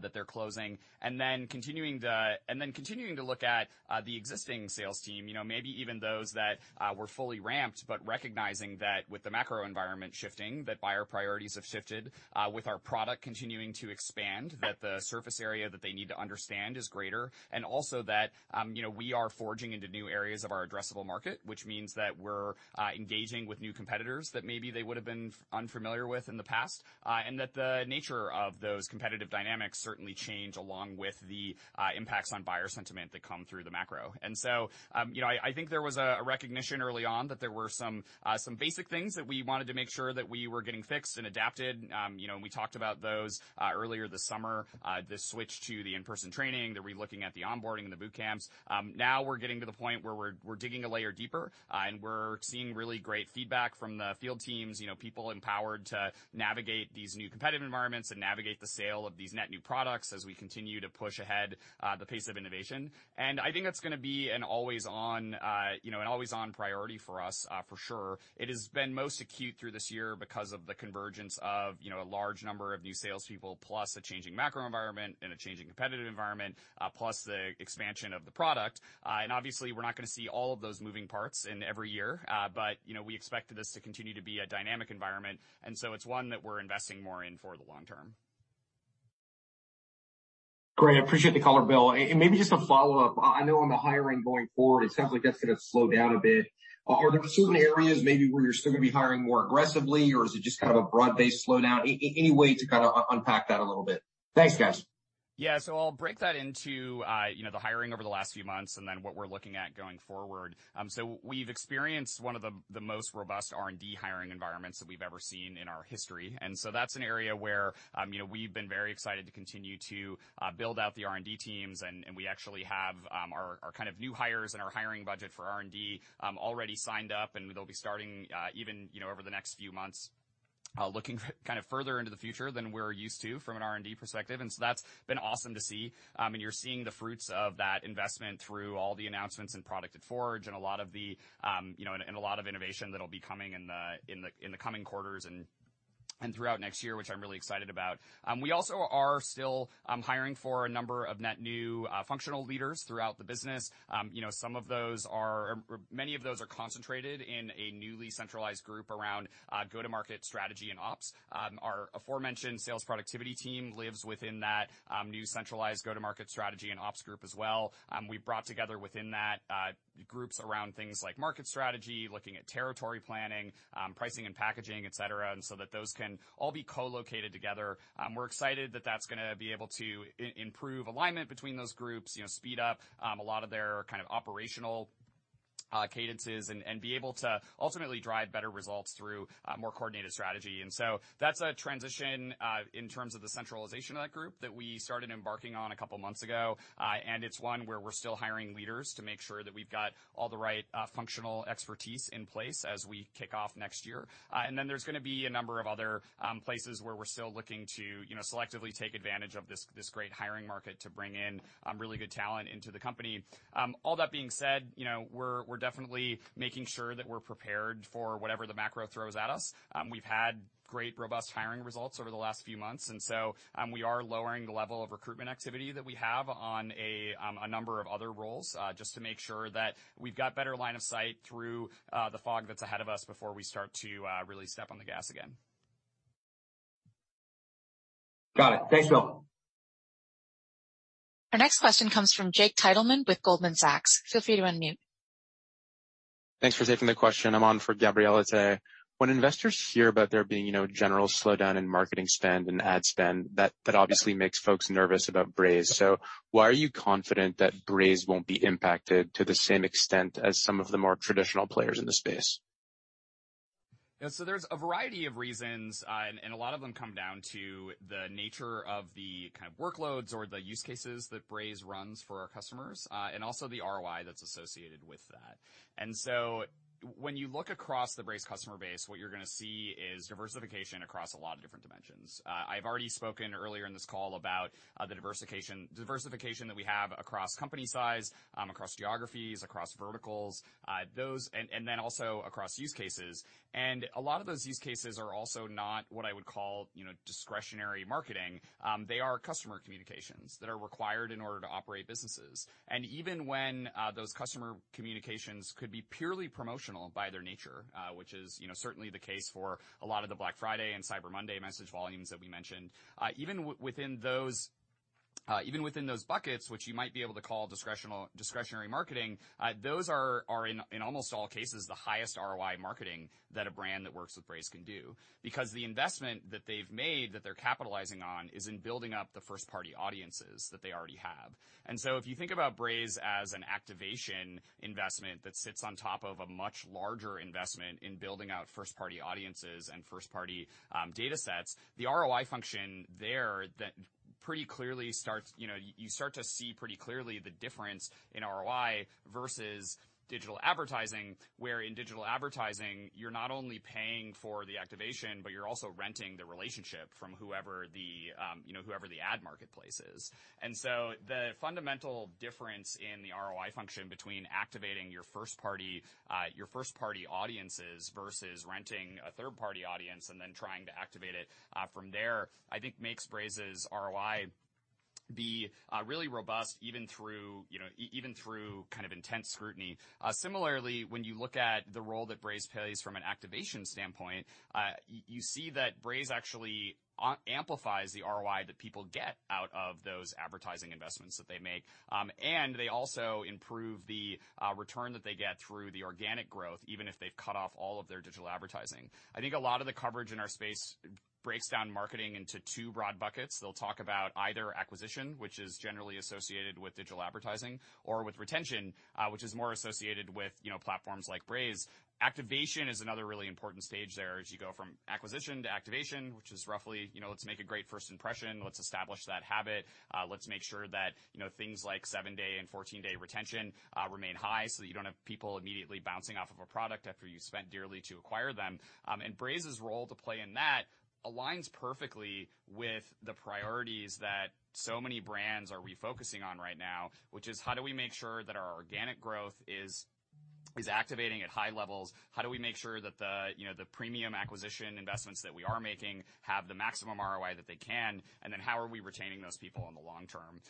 that they're closing. Continuing to look at the existing sales team, you know, maybe even those that were fully ramped, but recognizing that with the macro environment shifting, that buyer priorities have shifted, with our product continuing to expand, that the surface area that they need to understand is greater. Also that, you know, we are forging into new areas of our addressable market, which means that we're engaging with new competitors that maybe they would've been unfamiliar with in the past. That the nature of those competitive dynamics certainly change along with the impacts on buyer sentiment that come through the macro. You know, I think there was a recognition early on that there were some basic things that we wanted to make sure that we were getting fixed and adapted. You know, we talked about those earlier this summer, the switch to the in-person training, the relooking at the onboarding and the boot camps. Now we're getting to the point where we're digging a layer deeper, and we're seeing really great feedback from the field teams. You know, people empowered to navigate these new competitive environments and navigate the sale of these net new products as we continue to push ahead, the pace of innovation. I think that's gonna be an always on, you know, an always on priority for us, for sure. It has been most acute through this year because of the convergence of, you know, a large number of new salespeople, plus a changing macro environment and a changing competitive environment, plus the expansion of the product. Obviously, we're not gonna see all of those moving parts in every year. You know, we expect this to continue to be a dynamic environment, and so it's one that we're investing more in for the long term. Great. I appreciate the color, Bill. Maybe just a follow-up. I know on the hiring going forward, it sounds like that's gonna slow down a bit. Are there certain areas maybe where you're still gonna be hiring more aggressively, or is it just kind of a broad-based slowdown? Any way to kinda unpack that a little bit. Thanks, guys. Yeah. I'll break that into, you know, the hiring over the last few months and then what we're looking at going forward. We've experienced one of the most robust R&D hiring environments that we've ever seen in our history. That's an area where, you know, we've been very excited to continue to build out the R&D teams, and we actually have our kind of new hires and our hiring budget for R&D already signed up, and they'll be starting even, you know, over the next few months, looking kind of further into the future than we're used to from an R&D perspective. That's been awesome to see. You're seeing the fruits of that investment through all the announcements and product at Forge and a lot of the, you know, and a lot of innovation that'll be coming in the coming quarters and throughout next year, which I'm really excited about. We also are still hiring for a number of net new functional leaders throughout the business. You know, many of those are concentrated in a newly centralized group around go-to-market strategy and ops. Our aforementioned sales productivity team lives within that new centralized go-to-market strategy and ops group as well. We've brought together within that groups around things like market strategy, looking at territory planning, pricing and packaging, et cetera, and so that those can all be co-located together. We're excited that that's gonna be able to improve alignment between those groups, you know, speed up a lot of their kind of operational cadences and be able to ultimately drive better results through more coordinated strategy. That's a transition in terms of the centralization of that group that we started embarking on a couple months ago. It's one where we're still hiring leaders to make sure that we've got all the right functional expertise in place as we kick off next year. There's gonna be a number of other places where we're still looking to, you know, selectively take advantage of this great hiring market to bring in really good talent into the company. All that being said, you know, we're definitely making sure that we're prepared for whatever the macro throws at us. We've had great, robust hiring results over the last few months. We are lowering the level of recruitment activity that we have on a number of other roles, just to make sure that we've got better line of sight through the fog that's ahead of us before we start to really step on the gas again. Got it. Thanks, Bill. Our next question comes from Jake Titleman with Goldman Sachs. Feel free to unmute. Thanks for taking the question. I'm on for Gabriela today. When investors hear about there being, you know, general slowdown in marketing spend and ad spend, that obviously makes folks nervous about Braze. Why are you confident that Braze won't be impacted to the same extent as some of the more traditional players in the space? Yeah. There's a variety of reasons, and a lot of them come down to the nature of the kind of workloads or the use cases that Braze runs for our customers, and also the ROI that's associated with that. When you look across the Braze customer base, what you're gonna see is diversification across a lot of different dimensions. I've already spoken earlier in this call about the diversification that we have across company size, across geographies, across verticals, those, and then also across use cases. A lot of those use cases are also not what I would call, you know, discretionary marketing. They are customer communications that are required in order to operate businesses. Even when, those customer communications could be purely promotional by their nature, which is, you know, certainly the case for a lot of the Black Friday and Cyber Monday message volumes that we mentioned. Even within those buckets which you might be able to call discretionary marketing, those are in almost all cases, the highest ROI marketing that a brand that works with Braze can do because the investment that they've made, that they're capitalizing on is in building up the first party audiences that they already have. If you think about Braze as an activation investment that sits on top of a much larger investment in building out first party audiences and first party data sets, the ROI function there that pretty clearly starts, you know, you start to see pretty clearly the difference in ROI versus digital advertising. Where in digital advertising, you're not only paying for the activation, but you're also renting the relationship from whoever the, you know, whoever the ad marketplace is. The fundamental difference in the ROI function between activating your first party, your first party audiences versus renting a third party audience and then trying to activate it from there, I think makes Braze's ROI be really robust even through, you know, even through kind of intense scrutiny. Similarly, when you look at the role that Braze plays from an activation standpoint, you see that Braze actually amplifies the ROI that people get out of those advertising investments that they make. They also improve the return that they get through the organic growth, even if they've cut off all of their digital advertising. I think a lot of the coverage in our space breaks down marketing into two broad buckets. They'll talk about either acquisition, which is generally associated with digital advertising or with retention, which is more associated with, you know, platforms like Braze. Activation is another really important stage there as you go from acquisition to activation, which is roughly, you know, let's make a great first impression. Let's establish that habit. Let's make sure that, you know, things like 7-day and 14-day retention remain high so that you don't have people immediately bouncing off of a product after you spent dearly to acquire them. Braze's role to play in that aligns perfectly with the priorities that so many brands are refocusing on right now, which is how do we make sure that our organic growth is activating at high levels? How do we make sure that the, you know, the premium acquisition investments that we are making have the maximum ROI that they can, and then how are we retaining those people in the long term?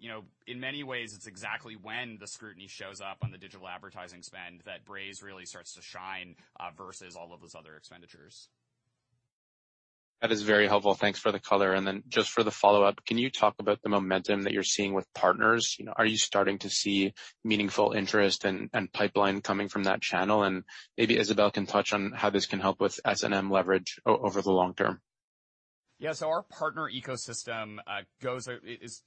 You know, in many ways, it's exactly when the scrutiny shows up on the digital advertising spend that Braze really starts to shine versus all of those other expenditures. That is very helpful. Thanks for the color. Just for the follow-up, can you talk about the momentum that you're seeing with partners? You know, are you starting to see meaningful interest and pipeline coming from that channel? Isabelle can touch on how this can help with S&M leverage over the long term. Our partner ecosystem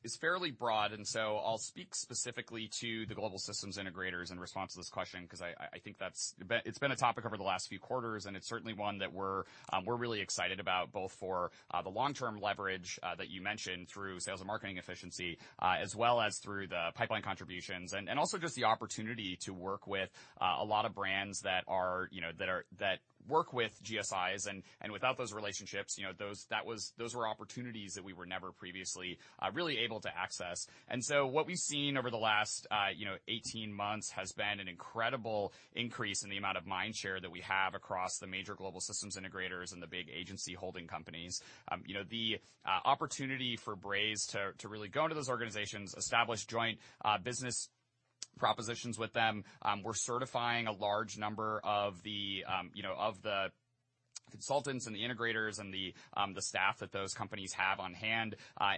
is fairly broad, and so I'll speak specifically to the Global Systems Integrators in response to this question because I think that's. It's been a topic over the last few quarters, and it's certainly one that we're really excited about, both for the long-term leverage that you mentioned through sales and marketing efficiency, as well as through the pipeline contributions and also just the opportunity to work with a lot of brands that, you know, that work with GSIs. Without those relationships, you know, those were opportunities that we were never previously really able to access. What we've seen over the last, you know, 18 months has been an incredible increase in the amount of mindshare that we have across the major Global Systems Integrators and the big agency holding companies. You know, the opportunity for Braze to really go into those organizations, establish joint, business propositions with them, we're certifying a large number of the, you know, of the consultants and the integrators and the staff that those companies have on hand.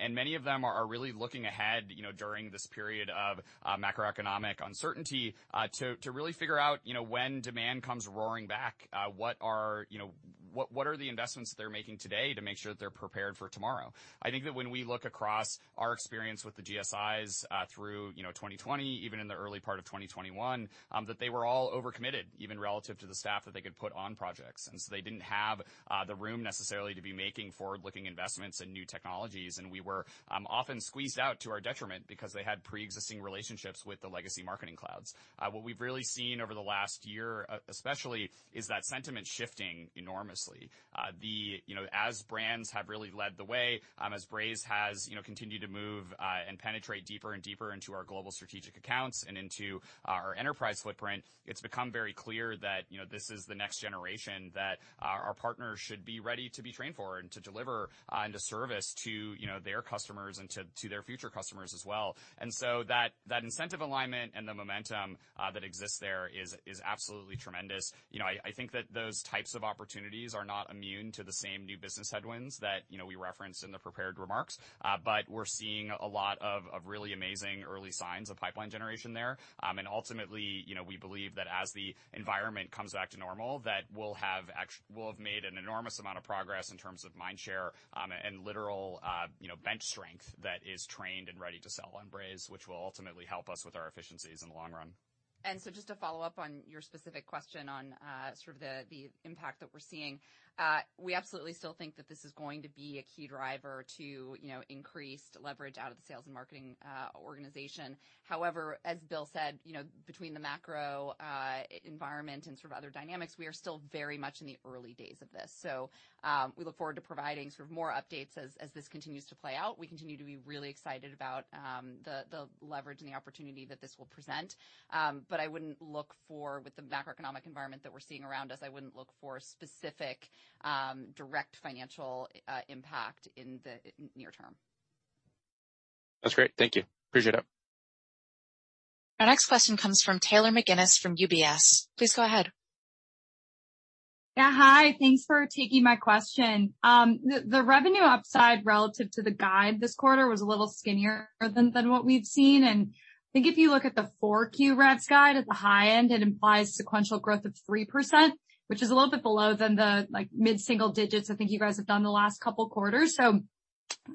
Many of them are really looking ahead, you know, during this period of macroeconomic uncertainty, to really figure out, you know, when demand comes roaring back, what are, you know, what are the investments they're making today to make sure that they're prepared for tomorrow? I think that when we look across our experience with the GSIs, through, you know, 2020, even in the early part of 2021, that they were all overcommitted, even relative to the staff that they could put on projects. They didn't have the room necessarily to be making forward-looking investments in new technologies. We were often squeezed out to our detriment because they had pre-existing relationships with the legacy marketing clouds. What we've really seen over the last year, especially is that sentiment shifting enormously. The, you know, as brands have really led the way, as Braze has, you know, continued to move and penetrate deeper and deeper into our global strategic accounts and into our enterprise footprint, it's become very clear that, you know, this is the next generation that our partners should be ready to be trained for and to deliver into service to, you know, their customers and to their future customers as well. That, that incentive alignment and the momentum that exists there is absolutely tremendous. You know, I think that those types of opportunities are not immune to the same new business headwinds that, you know, we referenced in the prepared remarks. We're seeing a lot of really amazing early signs of pipeline generation there. Ultimately, you know, we believe that as the environment comes back to normal, that we'll have made an enormous amount of progress in terms of mindshare, and literal, you know, bench strength that is trained and ready to sell on Braze, which will ultimately help us with our efficiencies in the long run. Just to follow up on your specific question on, sort of the impact that we're seeing. We absolutely still think that this is going to be a key driver to, you know, increased leverage out of the sales and marketing organization. However, as Bill said, you know, between the macro environment and sort of other dynamics, we are still very much in the early days of this. We look forward to providing sort of more updates as this continues to play out. We continue to be really excited about the leverage and the opportunity that this will present. I wouldn't look for with the macroeconomic environment that we're seeing around us, I wouldn't look for specific direct financial impact in the near term. That's great. Thank you. Appreciate it. Our next question comes from Taylor McGinnis from UBS. Please go ahead. Yeah. Hi. Thanks for taking my question. The revenue upside relative to the guide this quarter was a little skinnier than what we've seen. I think if you look at the 4Q revenue guide at the high end, it implies sequential growth of 3%, which is a little bit below than the like mid-single digits I think you guys have done the last couple quarters.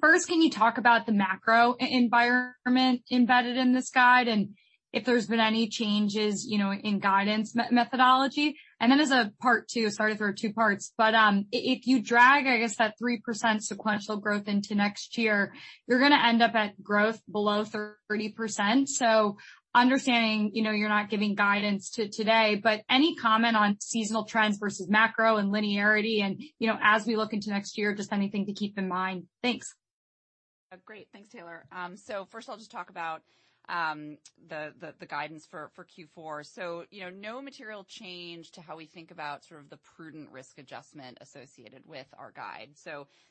First, can you talk about the macro environment embedded in this guide and if there's been any changes, you know, in guidance methodology? As a part two, sorry if there are two parts, but if you drag, I guess, that 3% sequential growth into next year, you're gonna end up at growth below 30%. Understanding, you know, you're not giving guidance today, but any comment on seasonal trends versus macro and linearity and, you know, as we look into next year, just anything to keep in mind. Thanks. Great. Thanks, Taylor. First I'll just talk about the guidance for Q4. You know, no material change to how we think about sort of the prudent risk adjustment associated with our guide.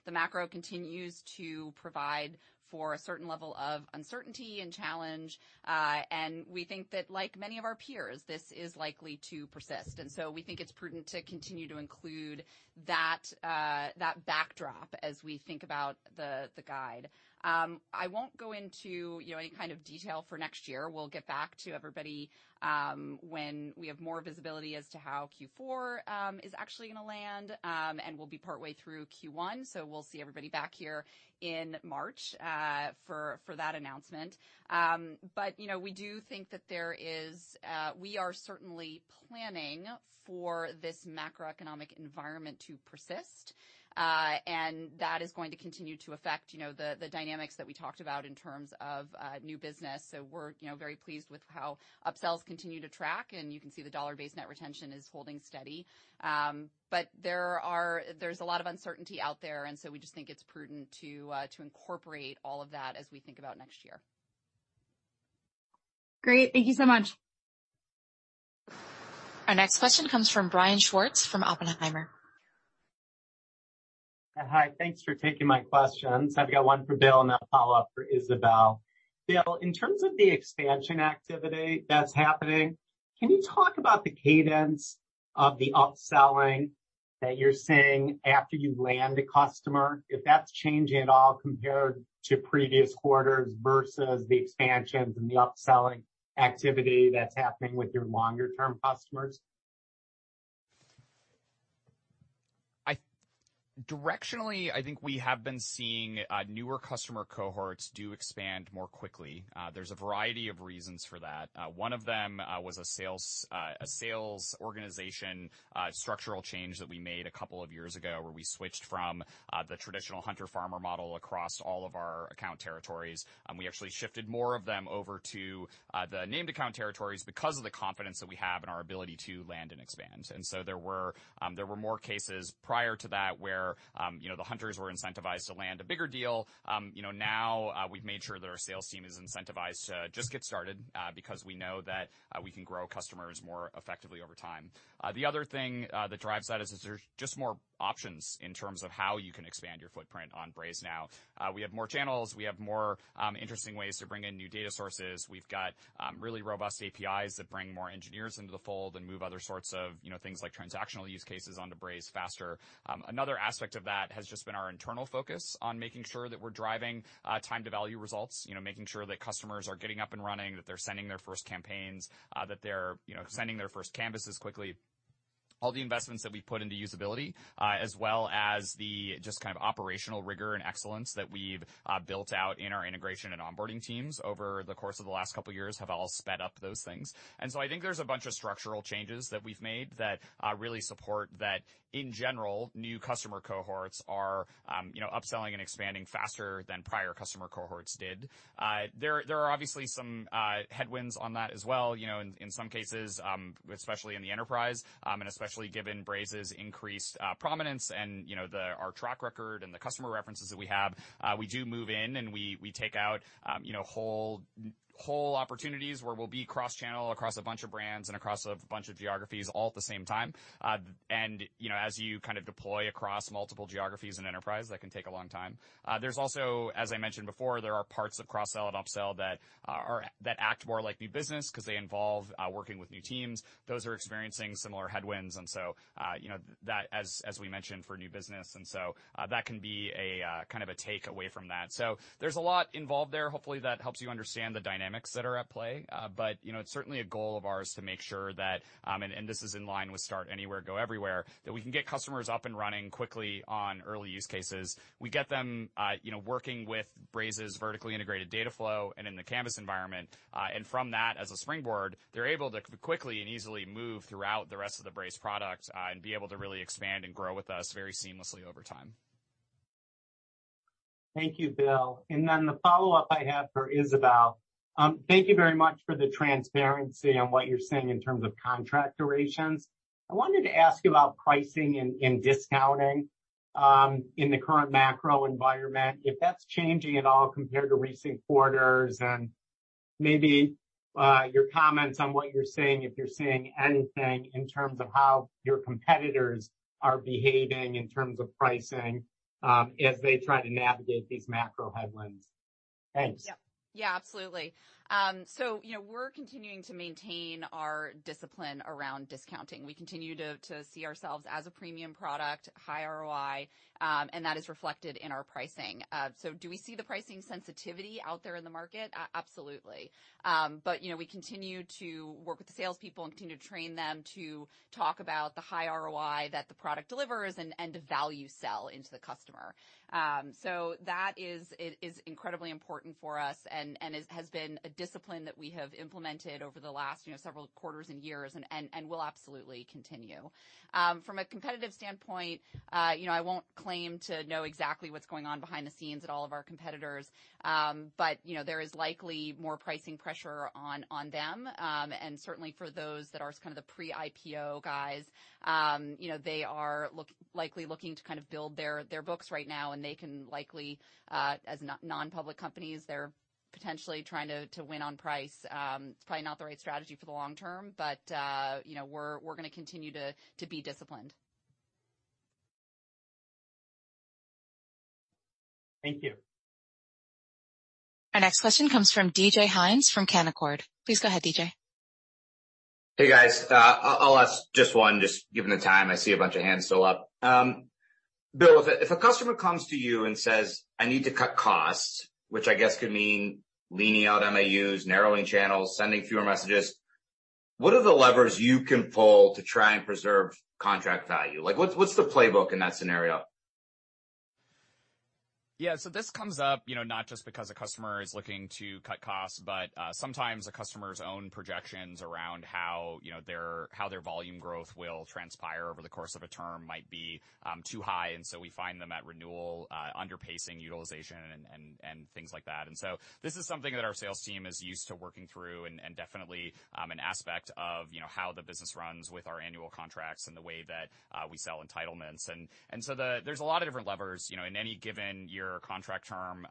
The macro continues to provide for a certain level of uncertainty and challenge, and we think that like many of our peers, this is likely to persist. We think it's prudent to continue to include that backdrop as we think about the guide. I won't go into, you know, any kind of detail for next year. We'll get back to everybody when we have more visibility as to how Q4 is actually gonna land. We'll be partway through Q1, so we'll see everybody back here in March for that announcement. You know, we do think that we are certainly planning for this macroeconomic environment to persist, and that is going to continue to affect, you know, the dynamics that we talked about in terms of new business. We're, you know, very pleased with how upsells continue to track, and you can see the dollar-based net retention is holding steady. There's a lot of uncertainty out there, and so we just think it's prudent to incorporate all of that as we think about next year. Great. Thank you so much. Our next question comes from Brian Schwartz from Oppenheimer. Hi. Thanks for taking my questions. I've got one for Bill and then a follow-up for Isabelle. Bill, in terms of the expansion activity that's happening, can you talk about the cadence of the upselling that you're seeing after you land a customer, if that's changing at all compared to previous quarters versus the expansions and the upselling activity that's happening with your longer-term customers? Directionally, I think we have been seeing newer customer cohorts do expand more quickly. There's a variety of reasons for that. One of them was a sales a sales organization structural change that we made a couple of years ago where we switched from the traditional hunter-farmer model across all of our account territories. We actually shifted more of them over to the named account territories because of the confidence that we have in our ability to land and expand. There were more cases prior to that where, you know, the hunters were incentivized to land a bigger deal. You know, now, we've made sure that our sales team is incentivized to just get started, because we know that we can grow customers more effectively over time. The other thing that drives that is there's just more options in terms of how you can expand your footprint on Braze now. We have more channels. We have more interesting ways to bring in new data sources. We've got really robust APIs that bring more engineers into the fold and move other sorts of, you know, things like transactional use cases onto Braze faster. Another aspect of that has just been our internal focus on making sure that we're driving time to value results, you know, making sure that customers are getting up and running, that they're sending their first campaigns, that they're, you know, sending their first canvases quickly. All the investments that we've put into usability, as well as the just kind of operational rigor and excellence that we've built out in our integration and onboarding teams over the course of the last couple years have all sped up those things. I think there's a bunch of structural changes that we've made that really support that, in general, new customer cohorts are, you know, upselling and expanding faster than prior customer cohorts did. There are obviously some headwinds on that as well. You know, in some cases, especially in the enterprise, and especially given Braze's increased prominence and, you know, our track record and the customer references that we have, we do move in, and we take out, you know, whole opportunities where we'll be cross-channel across a bunch of brands and across a bunch of geographies all at the same time. You know, as you kind of deploy across multiple geographies and enterprise, that can take a long time. There's also, as I mentioned before, there are parts of cross-sell and upsell that act more like new business 'cause they involve working with new teams. Those are experiencing similar headwinds. You know, that as we mentioned, for new business. That can be a kind of a take away from that. There's a lot involved there. Hopefully, that helps you understand the dynamics that are at play. But, you know, it's certainly a goal of ours to make sure that, and this is in line with Start Anywhere, Go Everywhere, that we can get customers up and running quickly on early use cases. We get them, you know, working with Braze's vertically integrated data flow and in the Canvas environment. And from that as a springboard, they're able to quickly and easily move throughout the rest of the Braze product, and be able to really expand and grow with us very seamlessly over time. Thank you, Bill. Then the follow-up I have for Isabelle. Thank you very much for the transparency on what you're seeing in terms of contract durations. I wanted to ask you about pricing and discounting in the current macro environment, if that's changing at all compared to recent quarters, and maybe your comments on what you're seeing, if you're seeing anything in terms of how your competitors are behaving in terms of pricing as they try to navigate these macro headwinds. Thanks. Yeah, absolutely. You know, we're continuing to maintain our discipline around discounting. We continue to see ourselves as a premium product, high ROI, and that is reflected in our pricing. Do we see the pricing sensitivity out there in the market? Absolutely. You know, we continue to work with the salespeople and continue to train them to talk about the high ROI that the product delivers and the value sell into the customer. That is, it is incredibly important for us and has been a discipline that we have implemented over the last, you know, several quarters and years and will absolutely continue. From a competitive standpoint, you know, I won't claim to know exactly what's going on behind the scenes at all of our competitors, but, you know, there is likely more pricing pressure on them. Certainly, for those that are kind of the pre-IPO guys, you know, they are likely looking to kind of build their books right now, and they can likely, as non-public companies, they're potentially trying to win on price. It's probably not the right strategy for the long term, but, you know, we're gonna continue to be disciplined. Thank you. Our next question comes from DJ Hynes from Canaccord. Please go ahead, DJ. Hey, guys. I'll ask just one, just given the time. I see a bunch of hands still up. Bill, if a customer comes to you and says, "I need to cut costs," which I guess could mean leaning out MAUs, narrowing channels, sending fewer messages, what are the levers you can pull to try and preserve contract value? Like, what's the playbook in that scenario? Yeah. This comes up, you know, not just because a customer is looking to cut costs, but sometimes a customer's own projections around how you know, their, how their volume growth will transpire over the course of a term might be too high. We find them at renewal, under pacing utilization and things like that. This is something that our sales team is used to working through and definitely an aspect of, you know, how the business runs with our annual contracts and the way that we sell entitlements. There's a lot of different levers, you know, in any given year contract term.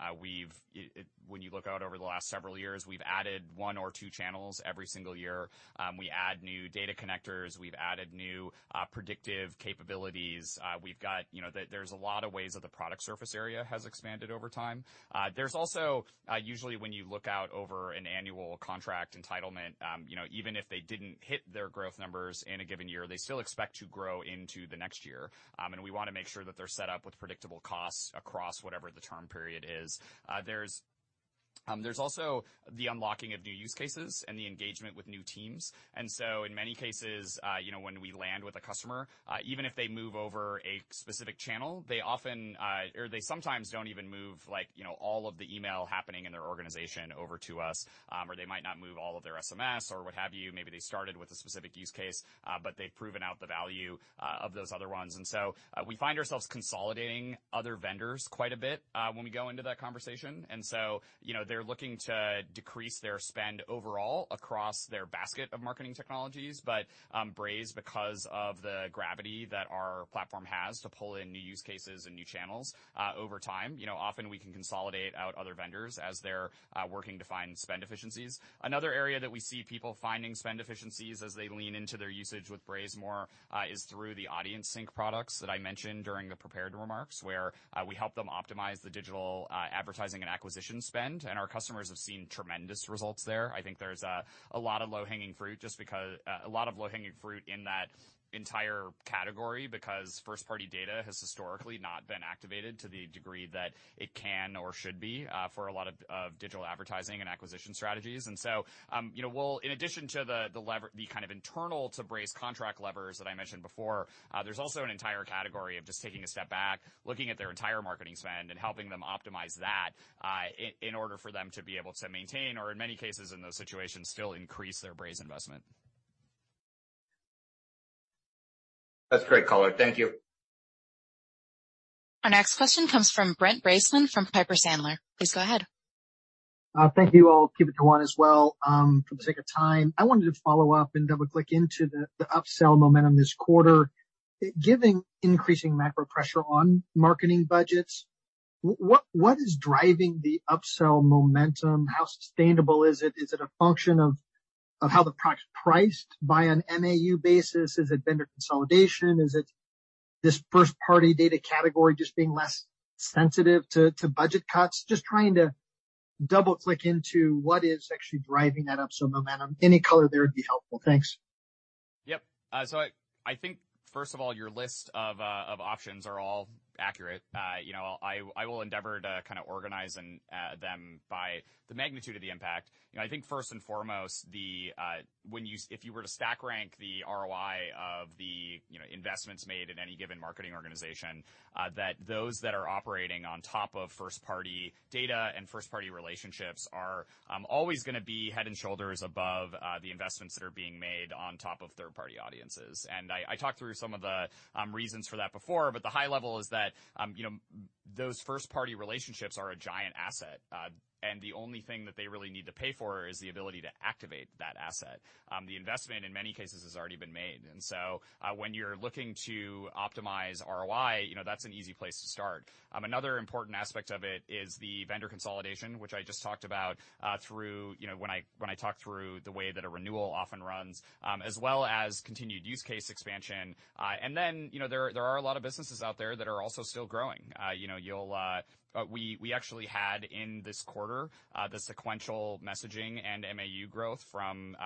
When you look out over the last several years, we've added one or two channels every single year. We add new data connectors. We've added new, predictive capabilities. We've got, you know, There's a lot of ways that the product surface area has expanded over time. There's also, usually when you look out over an annual contract entitlement, you know, even if they didn't hit their growth numbers in a given year, they still expect to grow into the next year. We wanna make sure that they're set up with predictable costs across whatever the term period is. There's also the unlocking of new use cases and the engagement with new teams. In many cases, you know, when we land with a customer, even if they move over a specific channel, they often, or they sometimes don't even move, like, you know, all of the email happening in their organization over to us. Or they might not move all of their SMS or what have you. Maybe they started with a specific use case, but they've proven out the value of those other ones. We find ourselves consolidating other vendors quite a bit when we go into that conversation. You know, they're looking to decrease their spend overall across their basket of marketing technologies. Braze, because of the gravity that our platform has to pull in new use cases and new channels, over time, you know, often we can consolidate out other vendors as they're working to find spend efficiencies. Another area that we see people finding spend efficiencies as they lean into their usage with Braze more, is through the Audience Sync products that I mentioned during the prepared remarks, where we help them optimize the digital advertising and acquisition spend, and our customers have seen tremendous results there. I think there's a lot of low-hanging fruit just because a lot of low-hanging fruit in that entire category, because first-party data has historically not been activated to the degree that it can or should be, for a lot of digital advertising and acquisition strategies. you know, we'll... In addition to the kind of internal to Braze contract levers that I mentioned before, there's also an entire category of just taking a step back, looking at their entire marketing spend and helping them optimize that, in order for them to be able to maintain or in many cases in those situations, still increase their Braze investment. That's great color. Thank you. Our next question comes from Brent Bracelin from Piper Sandler. Please go ahead. Thank you all. Keep it to one as well, for the sake of time. I wanted to follow up and double-click into the upsell momentum this quarter. Given increasing macro pressure on marketing budgets, what is driving the upsell momentum? How sustainable is it? Is it a function of how the product's priced by an MAU basis? Is it vendor consolidation? Is it this first-party data category just being less sensitive to budget cuts? Just trying to double-click into what is actually driving that upsell momentum. Any color there would be helpful. Thanks. Yep. I think first of all, your list of options are all accurate. You know, I will endeavor to kind of organize and them by the magnitude of the impact. You know, I think first and foremost, if you were to stack rank the ROI of the, you know, investments made in any given marketing organization, that those that are operating on top of first-party data and first-party relationships are always gonna be head and shoulders above the investments that are being made on top of third-party audiences. I talked through some of the reasons for that before, but the high level is that, you know, those first party relationships are a giant asset, and the only thing that they really need to pay for is the ability to activate that asset. The investment in many cases has already been made. When you're looking to optimize ROI, you know, that's an easy place to start. Another important aspect of it is the vendor consolidation, which I just talked about, through, you know, when I talked through the way that a renewal often runs, as well as continued use case expansion. You know, there are a lot of businesses out there that are also still growing. You know, you'll... We actually had in this quarter, the sequential messaging and MAU growth from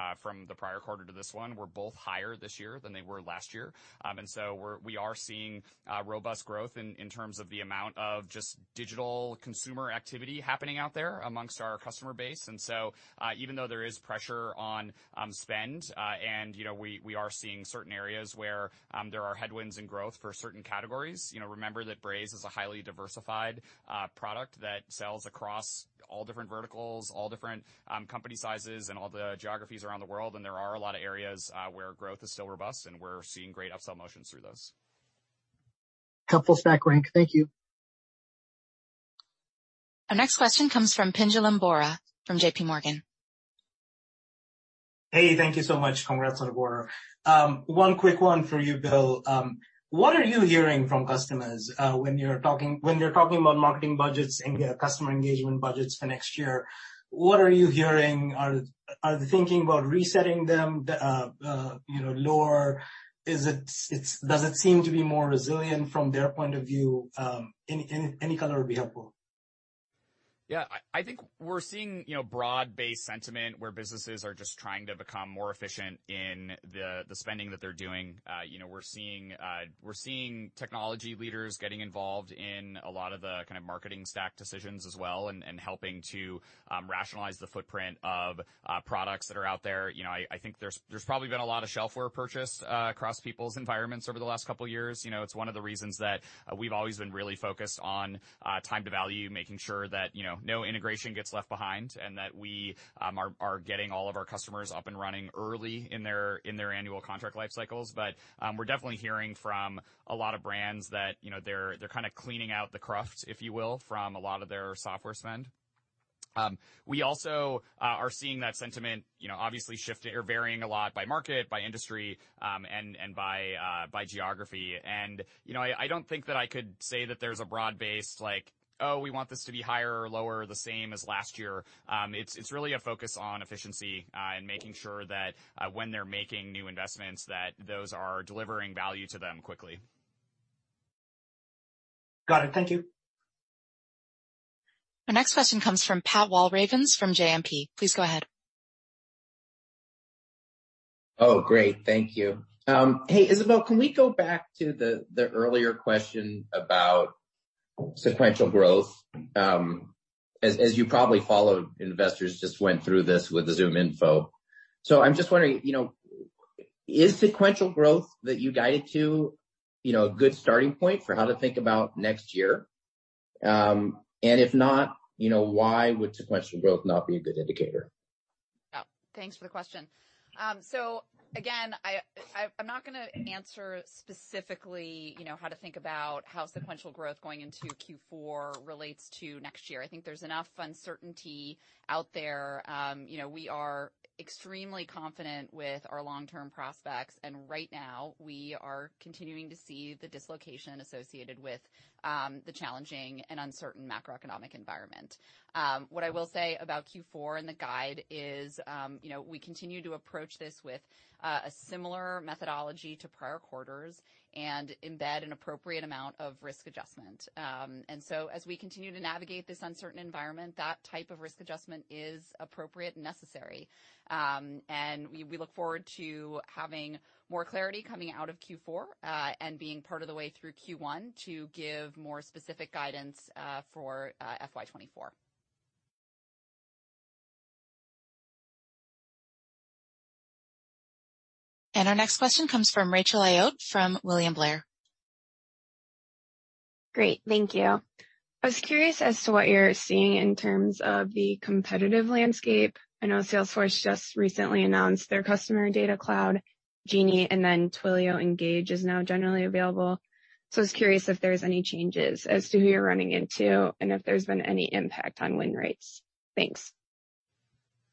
the prior quarter to this one were both higher this year than they were last year. And so we are seeing robust growth in terms of the amount of just digital consumer activity happening out there amongst our customer base. And so, even though there is pressure on spend, and, you know, we are seeing certain areas where there are headwinds in growth for certain categories. You know, remember that Braze is a highly diversified product that sells across all different verticals, all different company sizes and all the geographies around the world, and there are a lot of areas where growth is still robust, and we're seeing great upsell motions through those. Helpful stack rank. Thank you. Our next question comes from Pinjalim Bora from JP Morgan. Hey. Thank you so much. Congrats on the quarter. One quick one for you, Bill. What are you hearing from customers, when you're talking about marketing budgets and customer engagement budgets for next year, what are you hearing? Are they thinking about resetting them? You know, lower. Does it seem to be more resilient from their point of view? Any, any color would be helpful. Yeah. I think we're seeing, you know, broad-based sentiment where businesses are just trying to become more efficient in the spending that they're doing. You know, we're seeing technology leaders getting involved in a lot of the kind of marketing stack decisions as well and helping to rationalize the footprint of products that are out there. You know, I think there's probably been a lot of shelf wear purchase across people's environments over the last 2 years. You know, it's one of the reasons that we've always been really focused on time to value, making sure that, you know, no integration gets left behind, and that we are getting all of our customers up and running early in their annual contract life cycles. We're definitely hearing from a lot of brands that, you know, they're kinda cleaning out the cruft, if you will, from a lot of their software spend. We also are seeing that sentiment, you know, obviously shift or varying a lot by market, by industry, and by geography. You know, I don't think that I could say that there's a broad base like, "Oh, we want this to be higher or lower, the same as last year." It's really a focus on efficiency and making sure that when they're making new investments, that those are delivering value to them quickly. Got it. Thank you. Our next question comes from Pat Walravens from JMP. Please go ahead. Oh, great. Thank you. Hey, Isabelle, can we go back to the earlier question about sequential growth? As you probably followed, investors just went through this with the ZoomInfo. I'm just wondering, you know, is sequential growth that you guided to, you know, a good starting point for how to think about next year? If not, you know, why would sequential growth not be a good indicator? Yeah. Thanks for the question. Again, I'm not gonna answer specifically, you know, how to think about how sequential growth going into Q4 relates to next year. I think there's enough uncertainty out there. You know, we are extremely confident with our long-term prospects, and right now we are continuing to see the dislocation associated with the challenging and uncertain macroeconomic environment. What I will say about Q4 and the guide is, you know, we continue to approach this with a similar methodology to prior quarters and embed an appropriate amount of risk adjustment. As we continue to navigate this uncertain environment, that type of risk adjustment is appropriate and necessary. We look forward to having more clarity coming out of Q4, and being part of the way through Q1 to give more specific guidance for FY 2024. Our next question comes from Rachel Ayotte from William Blair. Great, thank you. I was curious as to what you're seeing in terms of the competitive landscape. I know Salesforce just recently announced their customer data cloud, Genie, and then Twilio Engage is now generally available. I was curious if there's any changes as to who you're running into and if there's been any impact on win rates. Thanks.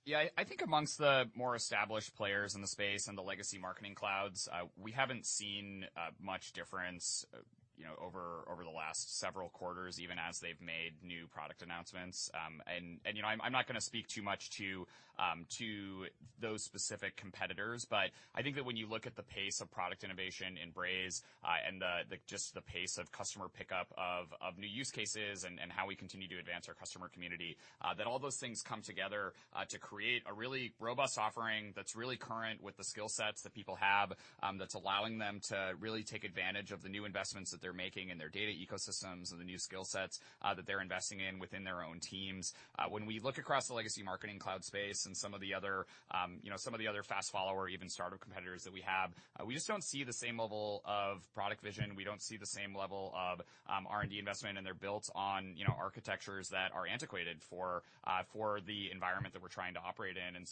Yeah. I think amongst the more established players in the space and the legacy marketing clouds, we haven't seen much difference, you know, over the last several quarters, even as they've made new product announcements. You know, I'm not gonna speak too much to those specific competitors. I think that when you look at the pace of product innovation in Braze, and the just the pace of customer pickup of new use cases and how we continue to advance our customer community, that all those things come together, to create a really robust offering that's really current with the skill sets that people have, that's allowing them to really take advantage of the new investments that they're making in their data ecosystems and the new skill sets, that they're investing in within their own teams. When we look across the legacy marketing cloud space and some of the other, you know, some of the other fast follower, even startup competitors that we have, we just don't see the same level of product vision. We don't see the same level of R&D investment, and they're built on, you know, architectures that are antiquated for the environment that we're trying to operate in.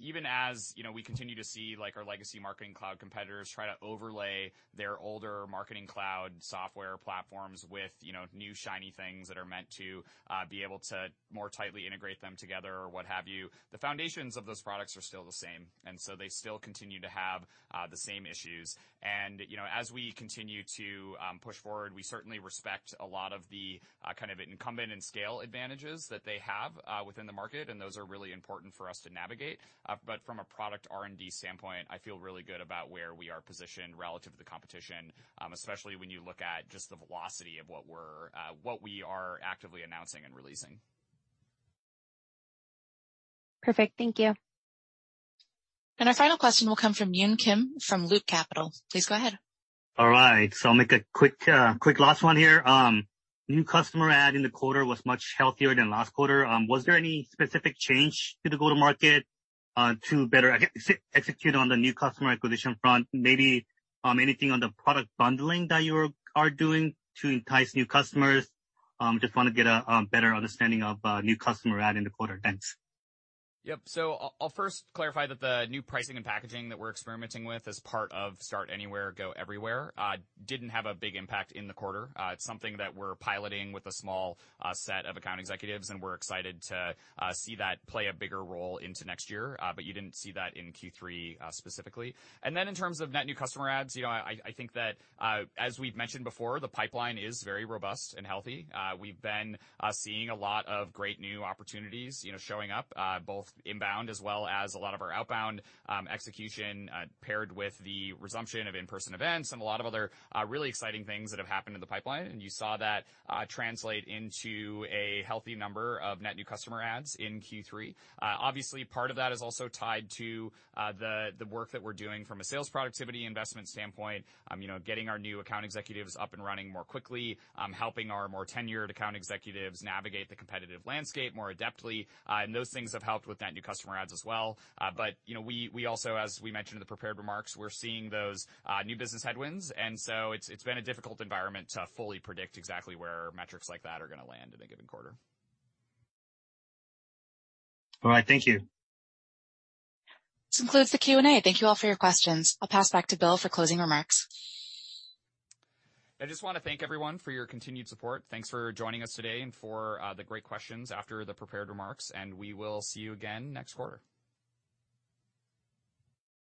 Even as, you know, we continue to see like our legacy marketing cloud competitors try to overlay their older marketing cloud software platforms with, you know, new shiny things that are meant to be able to more tightly integrate them together or what have you, the foundations of those products are still the same. They still continue to have the same issues. You know, as we continue to push forward, we certainly respect a lot of the kind of incumbent and scale advantages that they have within the market, and those are really important for us to navigate. From a product R&D standpoint, I feel really good about where we are positioned relative to the competition, especially when you look at just the velocity of what we're, what we are actively announcing and releasing. Perfect. Thank you. Our final question will come from Yun Kim from Loop Capital. Please go ahead. All right, I'll make a quick last one here. New customer ad in the quarter was much healthier than last quarter. Was there any specific change to the go-to-market to better execute on the new customer acquisition front? Maybe, anything on the product bundling that you are doing to entice new customers? Just wanna get a better understanding of new customer ad in the quarter. Thanks. Yep. I'll first clarify that the new pricing and packaging that we're experimenting with as part of Start Anywhere, Go Everywhere, didn't have a big impact in the quarter. It's something that we're piloting with a small set of account executives, and we're excited to see that play a bigger role into next year, but you didn't see that in Q3 specifically. In terms of net new customer ads, you know, I think that, as we've mentioned before, the pipeline is very robust and healthy. We've been seeing a lot of great new opportunities, you know, showing up both inbound as well as a lot of our outbound execution, paired with the resumption of in-person events and a lot of other really exciting things that have happened in the pipeline. You saw that translate into a healthy number of net new customer ads in Q3. Obviously, part of that is also tied to the work that we're doing from a sales productivity investment standpoint, you know, getting our new account executives up and running more quickly, helping our more tenured account executives navigate the competitive landscape more adeptly. Those things have helped with net new customer ads as well. But, you know, we also, as we mentioned in the prepared remarks, we're seeing those new business headwinds, so it's been a difficult environment to fully predict exactly where metrics like that are gonna land in a given quarter. All right. Thank you. This concludes the Q&A. Thank you all for your questions. I'll pass back to Bill for closing remarks. I just wanna thank everyone for your continued support. Thanks for joining us today and for the great questions after the prepared remarks. We will see you again next quarter.